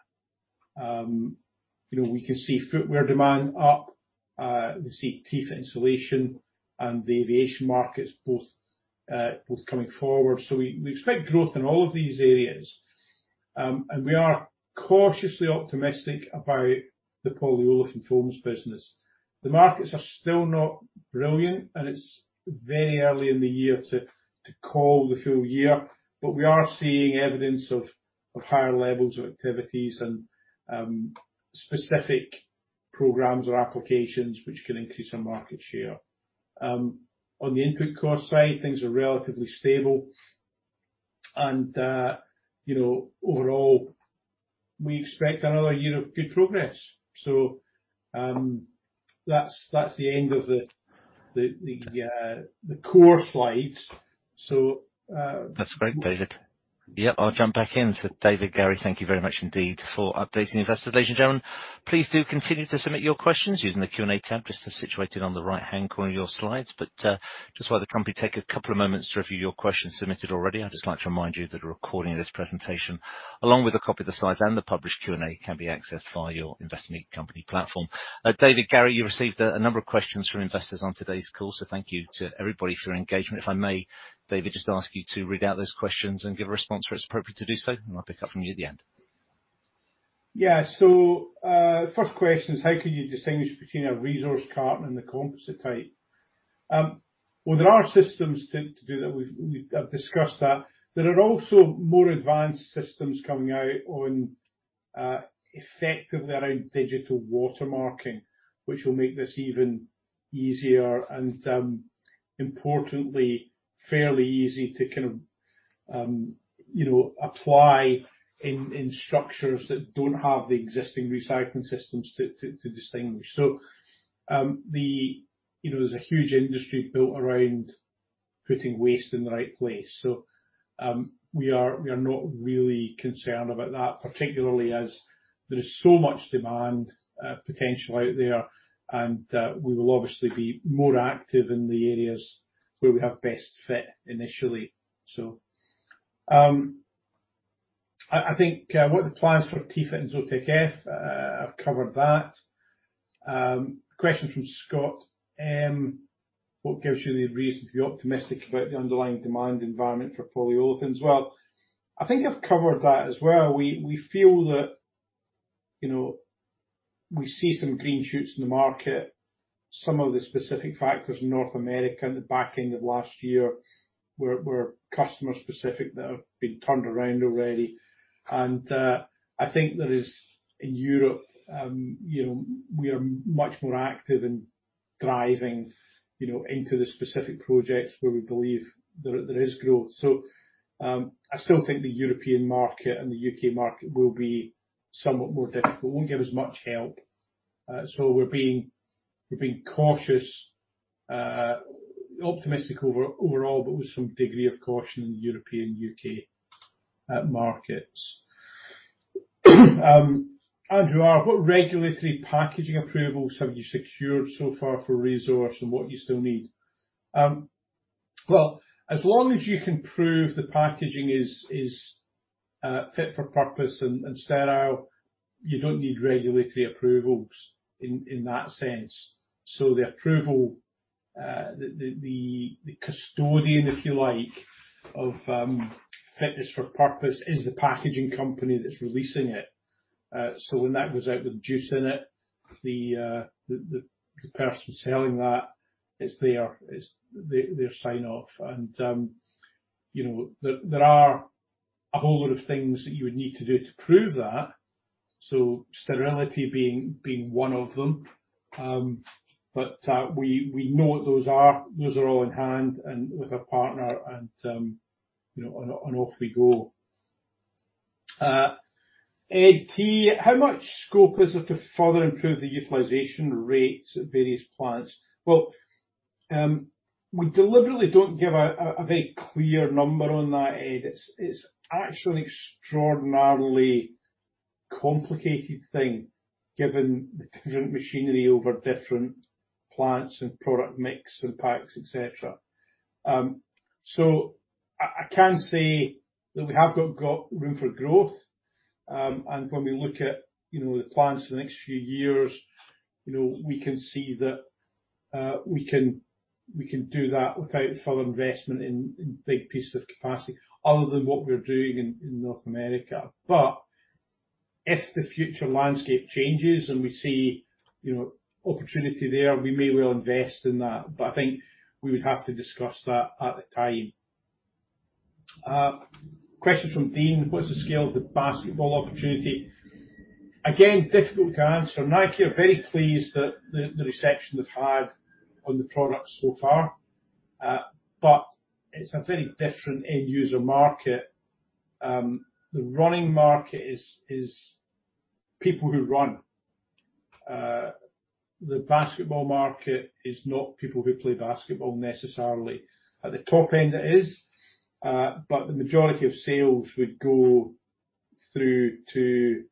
You know, we can see footwear demand up, we see T-FIT insulation and the aviation markets both coming forward. So we expect growth in all of these areas. And we are cautiously optimistic about the polyolefin foams business. The markets are still not brilliant, and it's very early in the year to call the full year, but we are seeing evidence of higher levels of activities and specific programs or applications which can increase our market share. On the input cost side, things are relatively stable, and you know, overall, we expect another year of good progress. So that's the end of the core slides. So- That's great, David. Yeah, I'll jump back in. So David, Gary, thank you very much indeed for updating the investors. Ladies and gentlemen, please do continue to submit your questions using the Q&A tab, just situated on the right-hand corner of your slides. But, just while the company take a couple of moments to review your questions submitted already, I'd just like to remind you that a recording of this presentation, along with a copy of the slides and the published Q&A, can be accessed via your investment company platform. David, Gary, you received a number of questions from investors on today's call, so thank you to everybody for your engagement. If I may, David, just ask you to read out those questions and give a response where it's appropriate to do so, and I'll pick up from you at the end. Yeah. So, first question is: How can you distinguish between a ReZorce carton and the composite type? Well, there are systems to do that. We've discussed that. There are also more advanced systems coming out on, effectively, around digital watermarking, which will make this even easier and, importantly, fairly easy to kind of, you know, apply in structures that don't have the existing recycling systems to distinguish. So, you know, there's a huge industry built around putting waste in the right place, so, we are not really concerned about that, particularly as there is so much demand potential out there, and we will obviously be more active in the areas where we have best fit initially. So, I think what are the plans for T-FIT and ZOTEK F? I've covered that. Question from Scott: What gives you the reason to be optimistic about the underlying demand environment for polyolefins? Well, I think I've covered that as well. We feel that, you know, we see some green shoots in the market. Some of the specific factors in North America in the back end of last year were customer specific, that have been turned around already. I think there is, in Europe, you know, we are much more active in driving, you know, into the specific projects where we believe there is growth. I still think the European market and the U.K. market will be somewhat more difficult, won't give us much help. We're being cautious, optimistic overall, but with some degree of caution in the European, U.K., markets. Andrew R: What regulatory packaging approvals have you secured so far for ReZorce, and what you still need? Well, as long as you can prove the packaging is fit for purpose and sterile, you don't need regulatory approvals in that sense. So the approval, the custodian, if you like, of fitness for purpose is the packaging company that's releasing it. So when that goes out with juice in it, the person selling that, it's their sign off. And, you know, there are a whole lot of things that you would need to do to prove that, so sterility being one of them. But we know what those are. Those are all in hand and with our partner and, you know, and off we go. Ed T: How much scope is there to further improve the utilization rates at various plants? Well, we deliberately don't give a very clear number on that, Ed. It's actually an extraordinarily complicated thing, given the different machinery over different plants and product mix and packs, et cetera. So I can say that we have got room for growth, and when we look at, you know, the plans for the next few years, you know, we can see that we can do that without further investment in big pieces of capacity, other than what we're doing in North America. But if the future landscape changes and we see, you know, opportunity there, we may well invest in that, but I think we would have to discuss that at the time. Question from Dean: "What's the scale of the basketball opportunity?" Again, difficult to answer. Nike are very pleased that the reception they've had on the product so far, but it's a very different end user market. The running market is people who run. The basketball market is not people who play basketball necessarily. At the top end, it is, but the majority of sales would go through to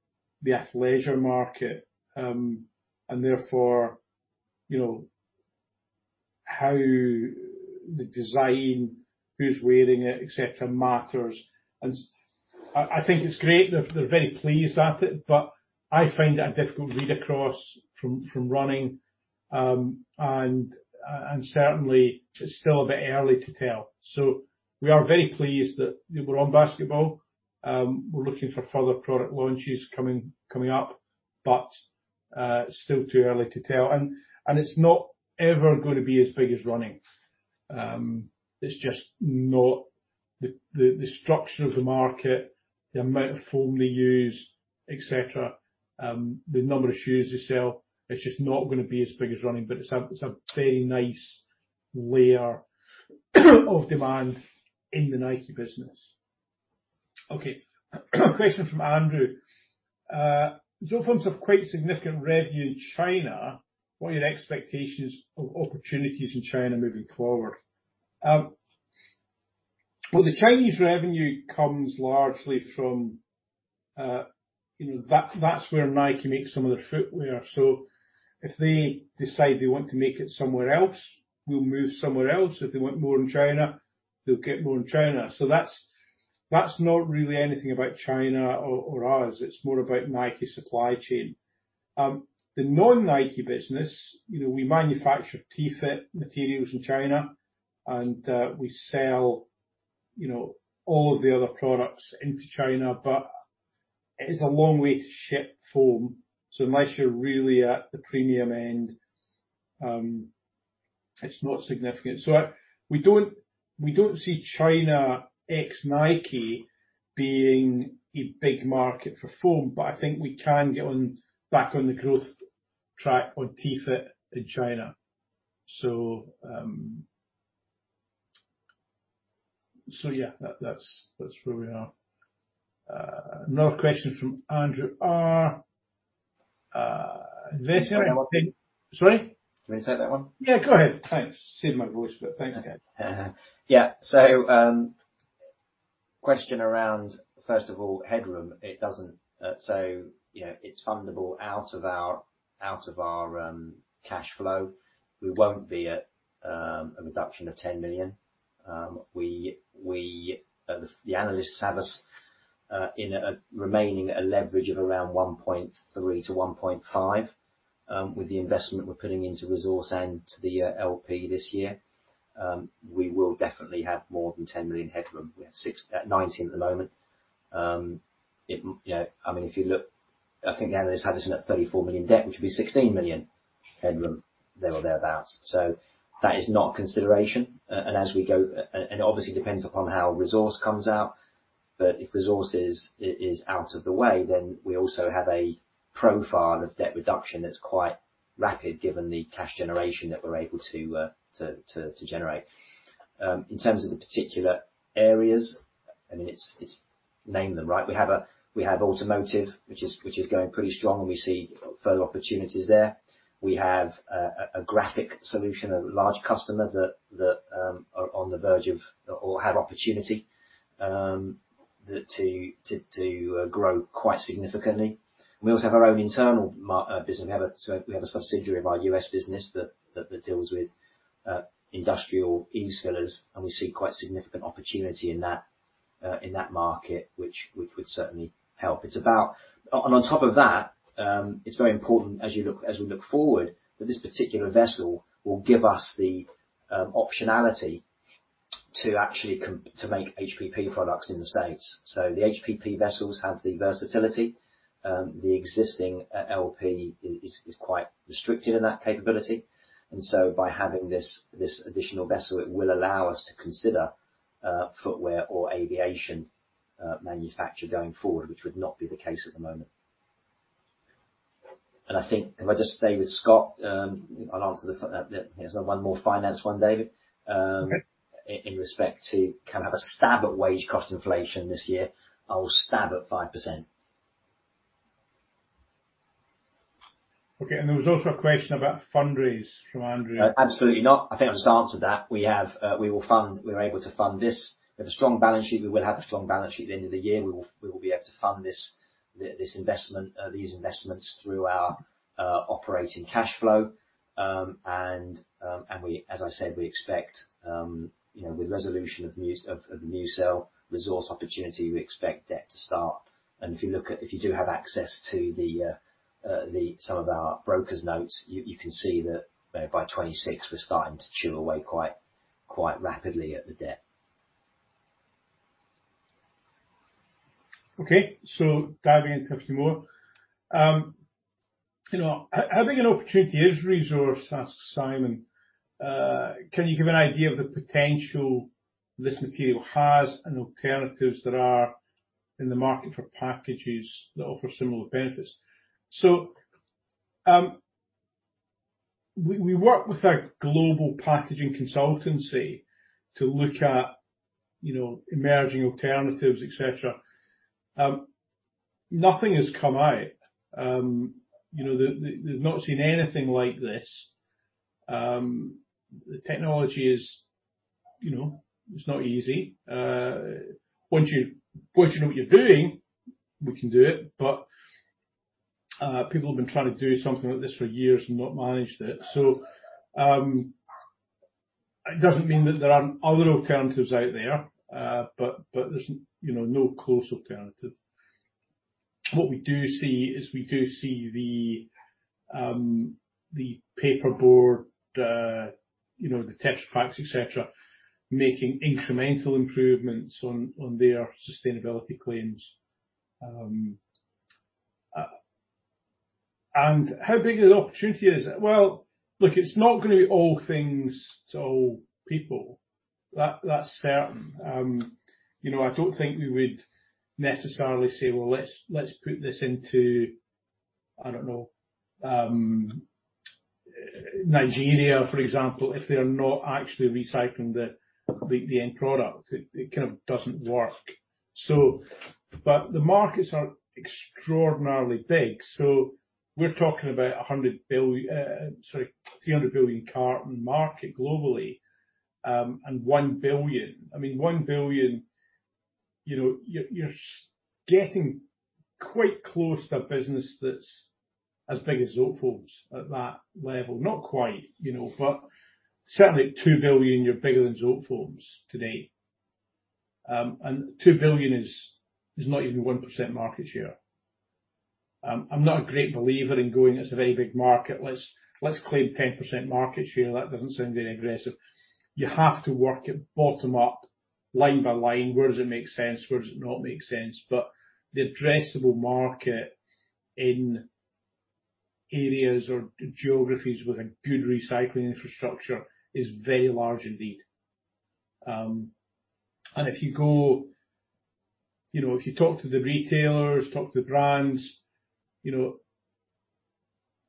the athleisure market. And therefore, you know, how the design, who's wearing it, et cetera, matters. And I think it's great. They're very pleased at it, but I find it a difficult read across from running. And certainly, it's still a bit early to tell. So we are very pleased that we're on basketball. We're looking for further product launches coming up, but it's still too early to tell. And it's not ever gonna be as big as running. It's just not... The structure of the market, the amount of foam they use, et cetera, the number of shoes they sell, it's just not gonna be as big as running, but it's a very nice layer of demand in the Nike business. Okay. Question from Andrew. "Zotefoams have quite significant revenue in China. What are your expectations of opportunities in China moving forward?" Well, the Chinese revenue comes largely from, you know, that's where Nike makes some of their footwear. So if they decide they want to make it somewhere else, we'll move somewhere else. If they want more in China, they'll get more in China. So that's, that's not really anything about China or, or us. It's more about Nike's supply chain. The non-Nike business, you know, we manufacture T-FIT materials in China, and we sell, you know, all of the other products into China, but it is a long way to ship foam. So unless you're really at the premium end, it's not significant. So we don't, we don't see China, ex Nike, being a big market for foam, but I think we can get on, back on the growth track on T-FIT in China. So, so yeah, that, that's, that's where we are. Another question from Andrew R. Can I take that one? Sorry? Can I take that one? Yeah, go ahead. Thanks. Saved my voice, but thank you. Yeah. So, question around, first of all, headroom. It doesn't... So, you know, it's fundable out of our cash flow. We won't be at a reduction of 10 million. The analysts have us remaining at a leverage of around 1.3-1.5. With the investment we're putting into resource and to the LP this year, we will definitely have more than 10 million headroom. We have 69 at the moment. It, you know... I mean, if you look, I think the analysts have us in a 34 million debt, which would be 16 million headroom, there or thereabouts. So that is not a consideration. And as we go... And obviously, it depends upon how ReZorce comes out, but if ReZorce is out of the way, then we also have a profile of debt reduction that's quite rapid, given the cash generation that we're able to generate. In terms of the particular areas, I mean, it's name them, right? We have automotive, which is going pretty strong, and we see further opportunities there. We have a graphic solution, a large customer that are on the verge of, or have opportunity to grow quite significantly. We also have our own internal business. We have a subsidiary of our U.S. business that deals with industrial use fillers, and we see quite significant opportunity in that market, which would certainly help. It's about... and on top of that, it's very important as we look forward that this particular vessel will give us the optionality to actually make HPP products in the States. So the HPP vessels have the versatility. The existing LP is quite restricted in that capability, and so by having this additional vessel, it will allow us to consider footwear or aviation manufacture going forward, which would not be the case at the moment. And I think... Can I just stay with Scott? I'll answer. There's one more finance one, David. Okay. ... in respect to, kind of, have a stab at wage cost inflation this year. I will stab at 5%. Okay, and there was also a question about fundraise from Andrew. Absolutely not. I think I just answered that. We have, we will fund. We're able to fund this. We have a strong balance sheet. We will have a strong balance sheet at the end of the year. We will, we will be able to fund this, this investment, these investments through our, operating cashflow. And, and we, as I said, we expect, you know, with resolution of New- of, of ReZorce opportunity, we expect debt to start. And if you look at. If you do have access to the, the, some of our brokers notes, you, you can see that, by 2026, we're starting to chip away quite, quite rapidly at the debt.... Okay, so diving into a few more. You know, how big an opportunity is ReZorce? Asks Simon. Can you give an idea of the potential this material has and alternatives that are in the market for packages that offer similar benefits? So, we work with a global packaging consultancy to look at, you know, emerging alternatives, et cetera. Nothing has come out. You know, they, they've not seen anything like this. The technology is, you know, it's not easy. Once you know what you're doing, we can do it, but people have been trying to do something like this for years and not managed it. So, it doesn't mean that there aren't other alternatives out there, but there's, you know, no close alternative. What we do see is, we do see the, the paperboard, you know, the Tetra Pak, et cetera, making incremental improvements on, on their sustainability claims. And how big of an opportunity is it? Well, look, it's not gonna be all things to all people. That, that's certain. You know, I don't think we would necessarily say, "Well, let's, let's put this into," I don't know, Nigeria, for example, if they are not actually recycling the, the end product. It, it kind of doesn't work. So but the markets are extraordinarily big. So we're talking about $100 billion, sorry, $300 billion carton market globally, and $1 billion... I mean, $1 billion, you know, you're, you're getting quite close to a business that's as big as Zotefoams at that level. Not quite, you know, but certainly at 2 billion, you're bigger than Zotefoams today. And 2 billion is not even 1% market share. I'm not a great believer in going, "It's a very big market, let's claim 10% market share. That doesn't sound very aggressive." You have to work it bottom up, line by line, where does it make sense, where does it not make sense? But the addressable market in areas or geographies with a good recycling infrastructure is very large indeed. And if you go, you know, if you talk to the retailers, talk to the brands, you know,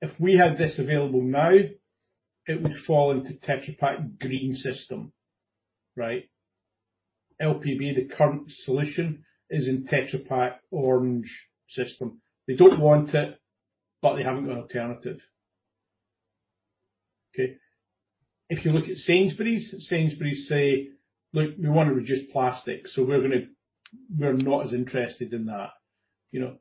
if we had this available now, it would fall into Tetra Pak green system, right? LPB, the current solution, is in Tetra Pak orange system. They don't want it, but they haven't got an alternative. Okay? If you look at Sainsbury’s, Sainsbury’s say, "Look, we want to reduce plastic, so we're gonna, we're not as interested in that," you know.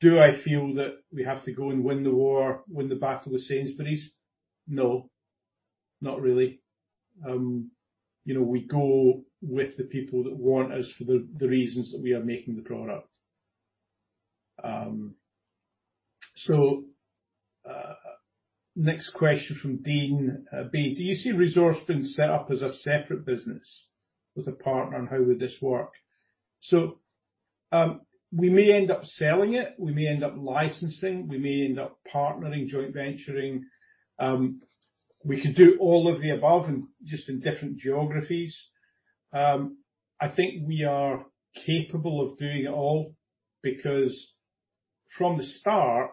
Do I feel that we have to go and win the war, win the battle with Sainsbury’s? No, not really. You know, we go with the people that want us for the, the reasons that we are making the product. Next question from Dean, B: "Do you see ReZorce being set up as a separate business with a partner, and how would this work?" We may end up selling it, we may end up licensing, we may end up partnering, joint venturing. We could do all of the above and just in different geographies. I think we are capable of doing it all, because from the start,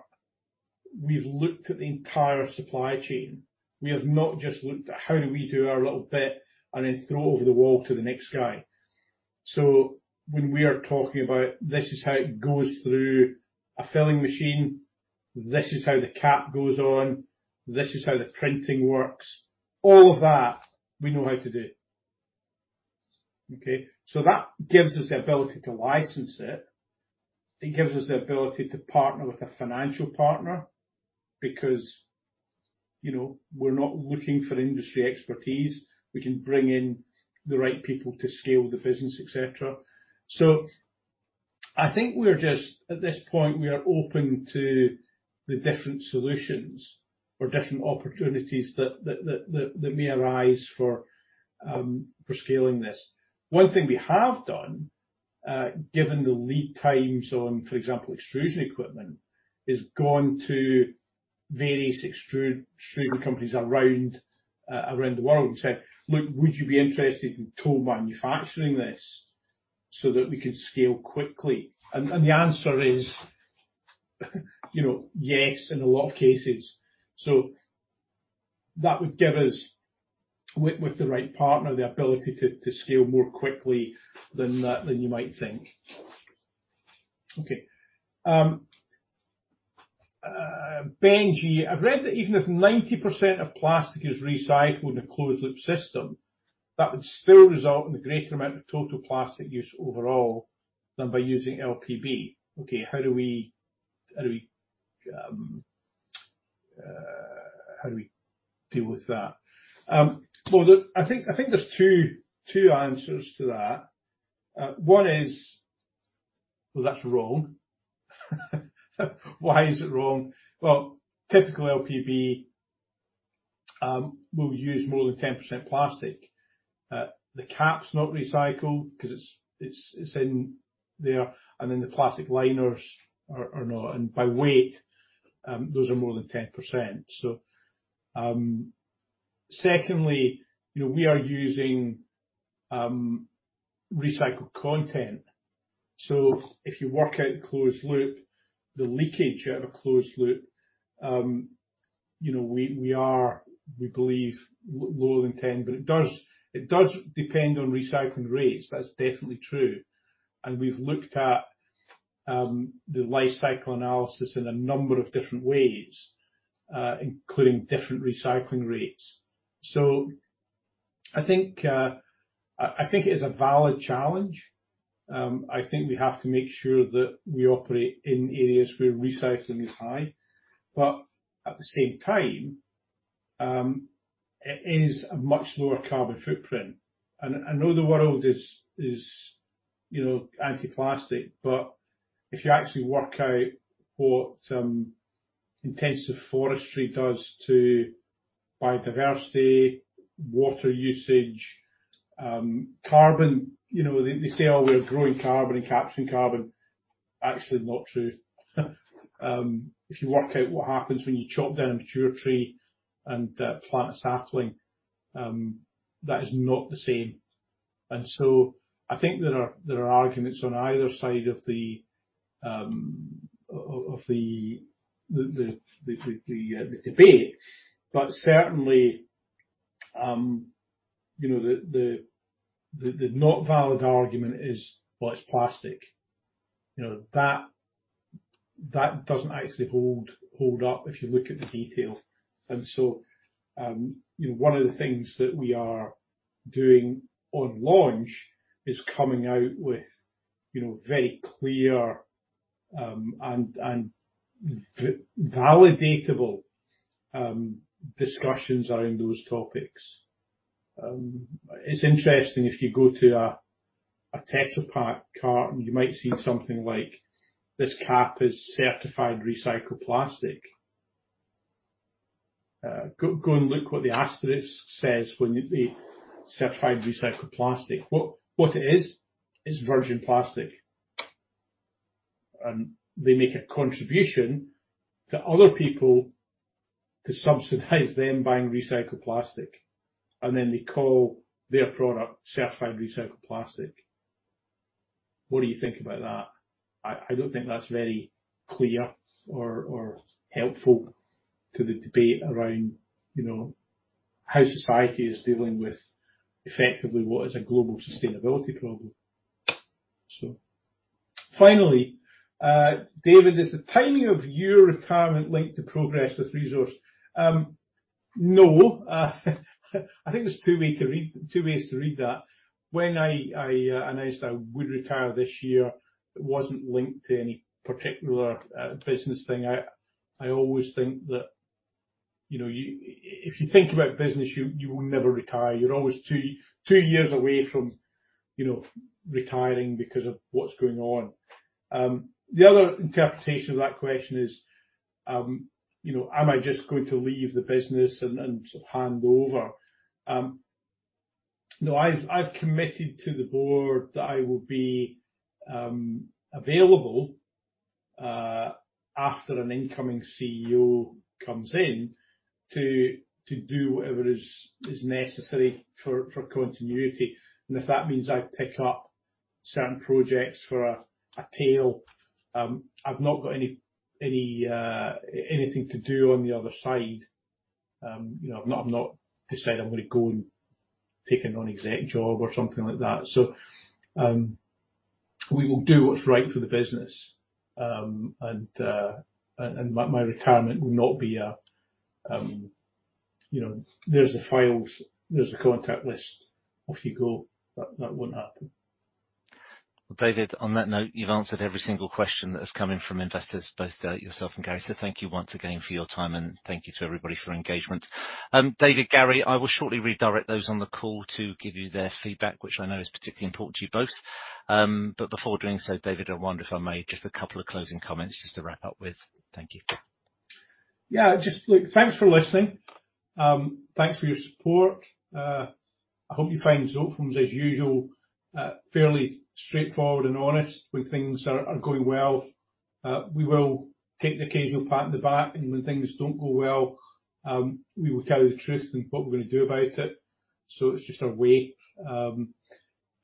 we've looked at the entire supply chain. We have not just looked at how do we do our little bit and then throw it over the wall to the next guy. So when we are talking about, this is how it goes through a filling machine, this is how the cap goes on, this is how the printing works, all of that, we know how to do, okay? So that gives us the ability to license it. It gives us the ability to partner with a financial partner, because, you know, we're not looking for industry expertise. We can bring in the right people to scale the business, et cetera. So I think we're just... at this point, we are open to the different solutions or different opportunities that may arise for scaling this. One thing we have done, given the lead times on, for example, extrusion equipment, is gone to various extrusion companies around the world and said, "Look, would you be interested in tool manufacturing this so that we could scale quickly?" And the answer is, you know, "Yes," in a lot of cases. So that would give us, with the right partner, the ability to scale more quickly than you might think. Okay, Benji, "I've read that even if 90% of plastic is recycled in a closed-loop system, that would still result in a greater amount of total plastic use overall than by using LPB." Okay, how do we deal with that? Well, the... I think there's two answers to that. One is, well, that's wrong. Why is it wrong? Well, typical LPB—we'll use more than 10% plastic. The cap's not recycled because it's in there, and then the plastic liners are not. And by weight, those are more than 10%. So, secondly, you know, we are using recycled content, so if you work out closed loop, the leakage at a closed loop, you know, we are, we believe, lower than 10%. But it does depend on recycling rates, that's definitely true. And we've looked at the life cycle analysis in a number of different ways, including different recycling rates. So I think, I think it is a valid challenge. I think we have to make sure that we operate in areas where recycling is high, but at the same time, it is a much lower carbon footprint. And I know the world is, you know, anti-plastic, but if you actually work out what intensive forestry does to biodiversity, water usage, carbon, you know, they say, "Oh, we're growing carbon and capturing carbon," actually not true. If you work out what happens when you chop down a mature tree and plant a sapling, that is not the same. And so I think there are arguments on either side of the debate. But certainly, you know, the not valid argument is, well, it's plastic. You know, that doesn't actually hold up if you look at the detail. And so, you know, one of the things that we are doing on launch is coming out with, you know, very clear, and validatable discussions around those topics. It's interesting, if you go to a Tetra Pak carton, you might see something like, "This cap is certified recycled plastic." Go and look what the asterisk says when they certified recycled plastic. What it is, is virgin plastic, and they make a contribution to other people to subsidize them buying recycled plastic, and then they call their product certified recycled plastic. What do you think about that? I don't think that's very clear or helpful to the debate around, you know, how society is dealing with effectively what is a global sustainability problem. So finally, David, is the timing of your retirement linked to progress with ReZorce? No. I think there's two ways to read that. When I announced I would retire this year, it wasn't linked to any particular business thing. I always think that, you know, if you think about business, you will never retire. You're always two years away from, you know, retiring because of what's going on. The other interpretation of that question is, you know, am I just going to leave the business and then sort of hand over? No, I've committed to the board that I will be available after an incoming CEO comes in, to do whatever is necessary for continuity. If that means I pick up certain projects for a while, I've not got anything to do on the other side. You know, I've not decided I'm gonna go and take a non-exec job or something like that. So, we will do what's right for the business. And my retirement will not be a, you know, "There's the files, there's the contact list. Off you go." That won't happen. David, on that note, you've answered every single question that has come in from investors, both yourself and Gary. So thank you once again for your time, and thank you to everybody for your engagement. David, Gary, I will shortly redirect those on the call to give you their feedback, which I know is particularly important to you both. But before doing so, David, I wonder if I may just a couple of closing comments just to wrap up with. Thank you. Yeah, just look, thanks for listening. Thanks for your support. I hope you find Zotefoams, as usual, fairly straightforward and honest. When things are going well, we will take the occasional pat on the back, and when things don't go well, we will tell you the truth and what we're gonna do about it. So it's just our way.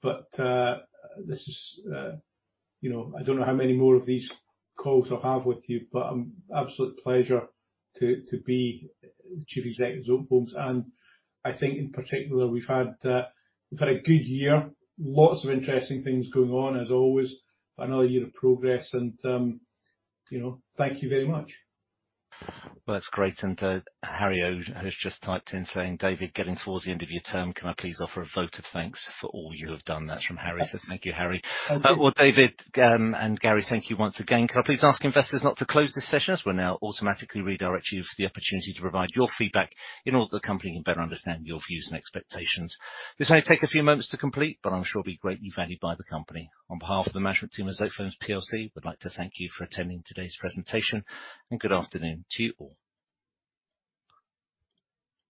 But this is, you know... I don't know how many more of these calls I'll have with you, but absolute pleasure to be Chief Executive of Zotefoams. And I think in particular, we've had a good year, lots of interesting things going on, as always, another year of progress, and you know, thank you very much. Well, that's great. And, Harry O. has just typed in saying, "David, getting towards the end of your term, can I please offer a vote of thanks for all you have done?" That's from Harry. So thank you, Harry. Thank you. Well, David, and Gary, thank you once again. Can I please ask investors not to close this session, as we'll now automatically redirect you for the opportunity to provide your feedback in order that the company can better understand your views and expectations. This may take a few moments to complete, but I'm sure it'll be greatly valued by the company. On behalf of the management team of Zotefoams plc, we'd like to thank you for attending today's presentation, and good afternoon to you all.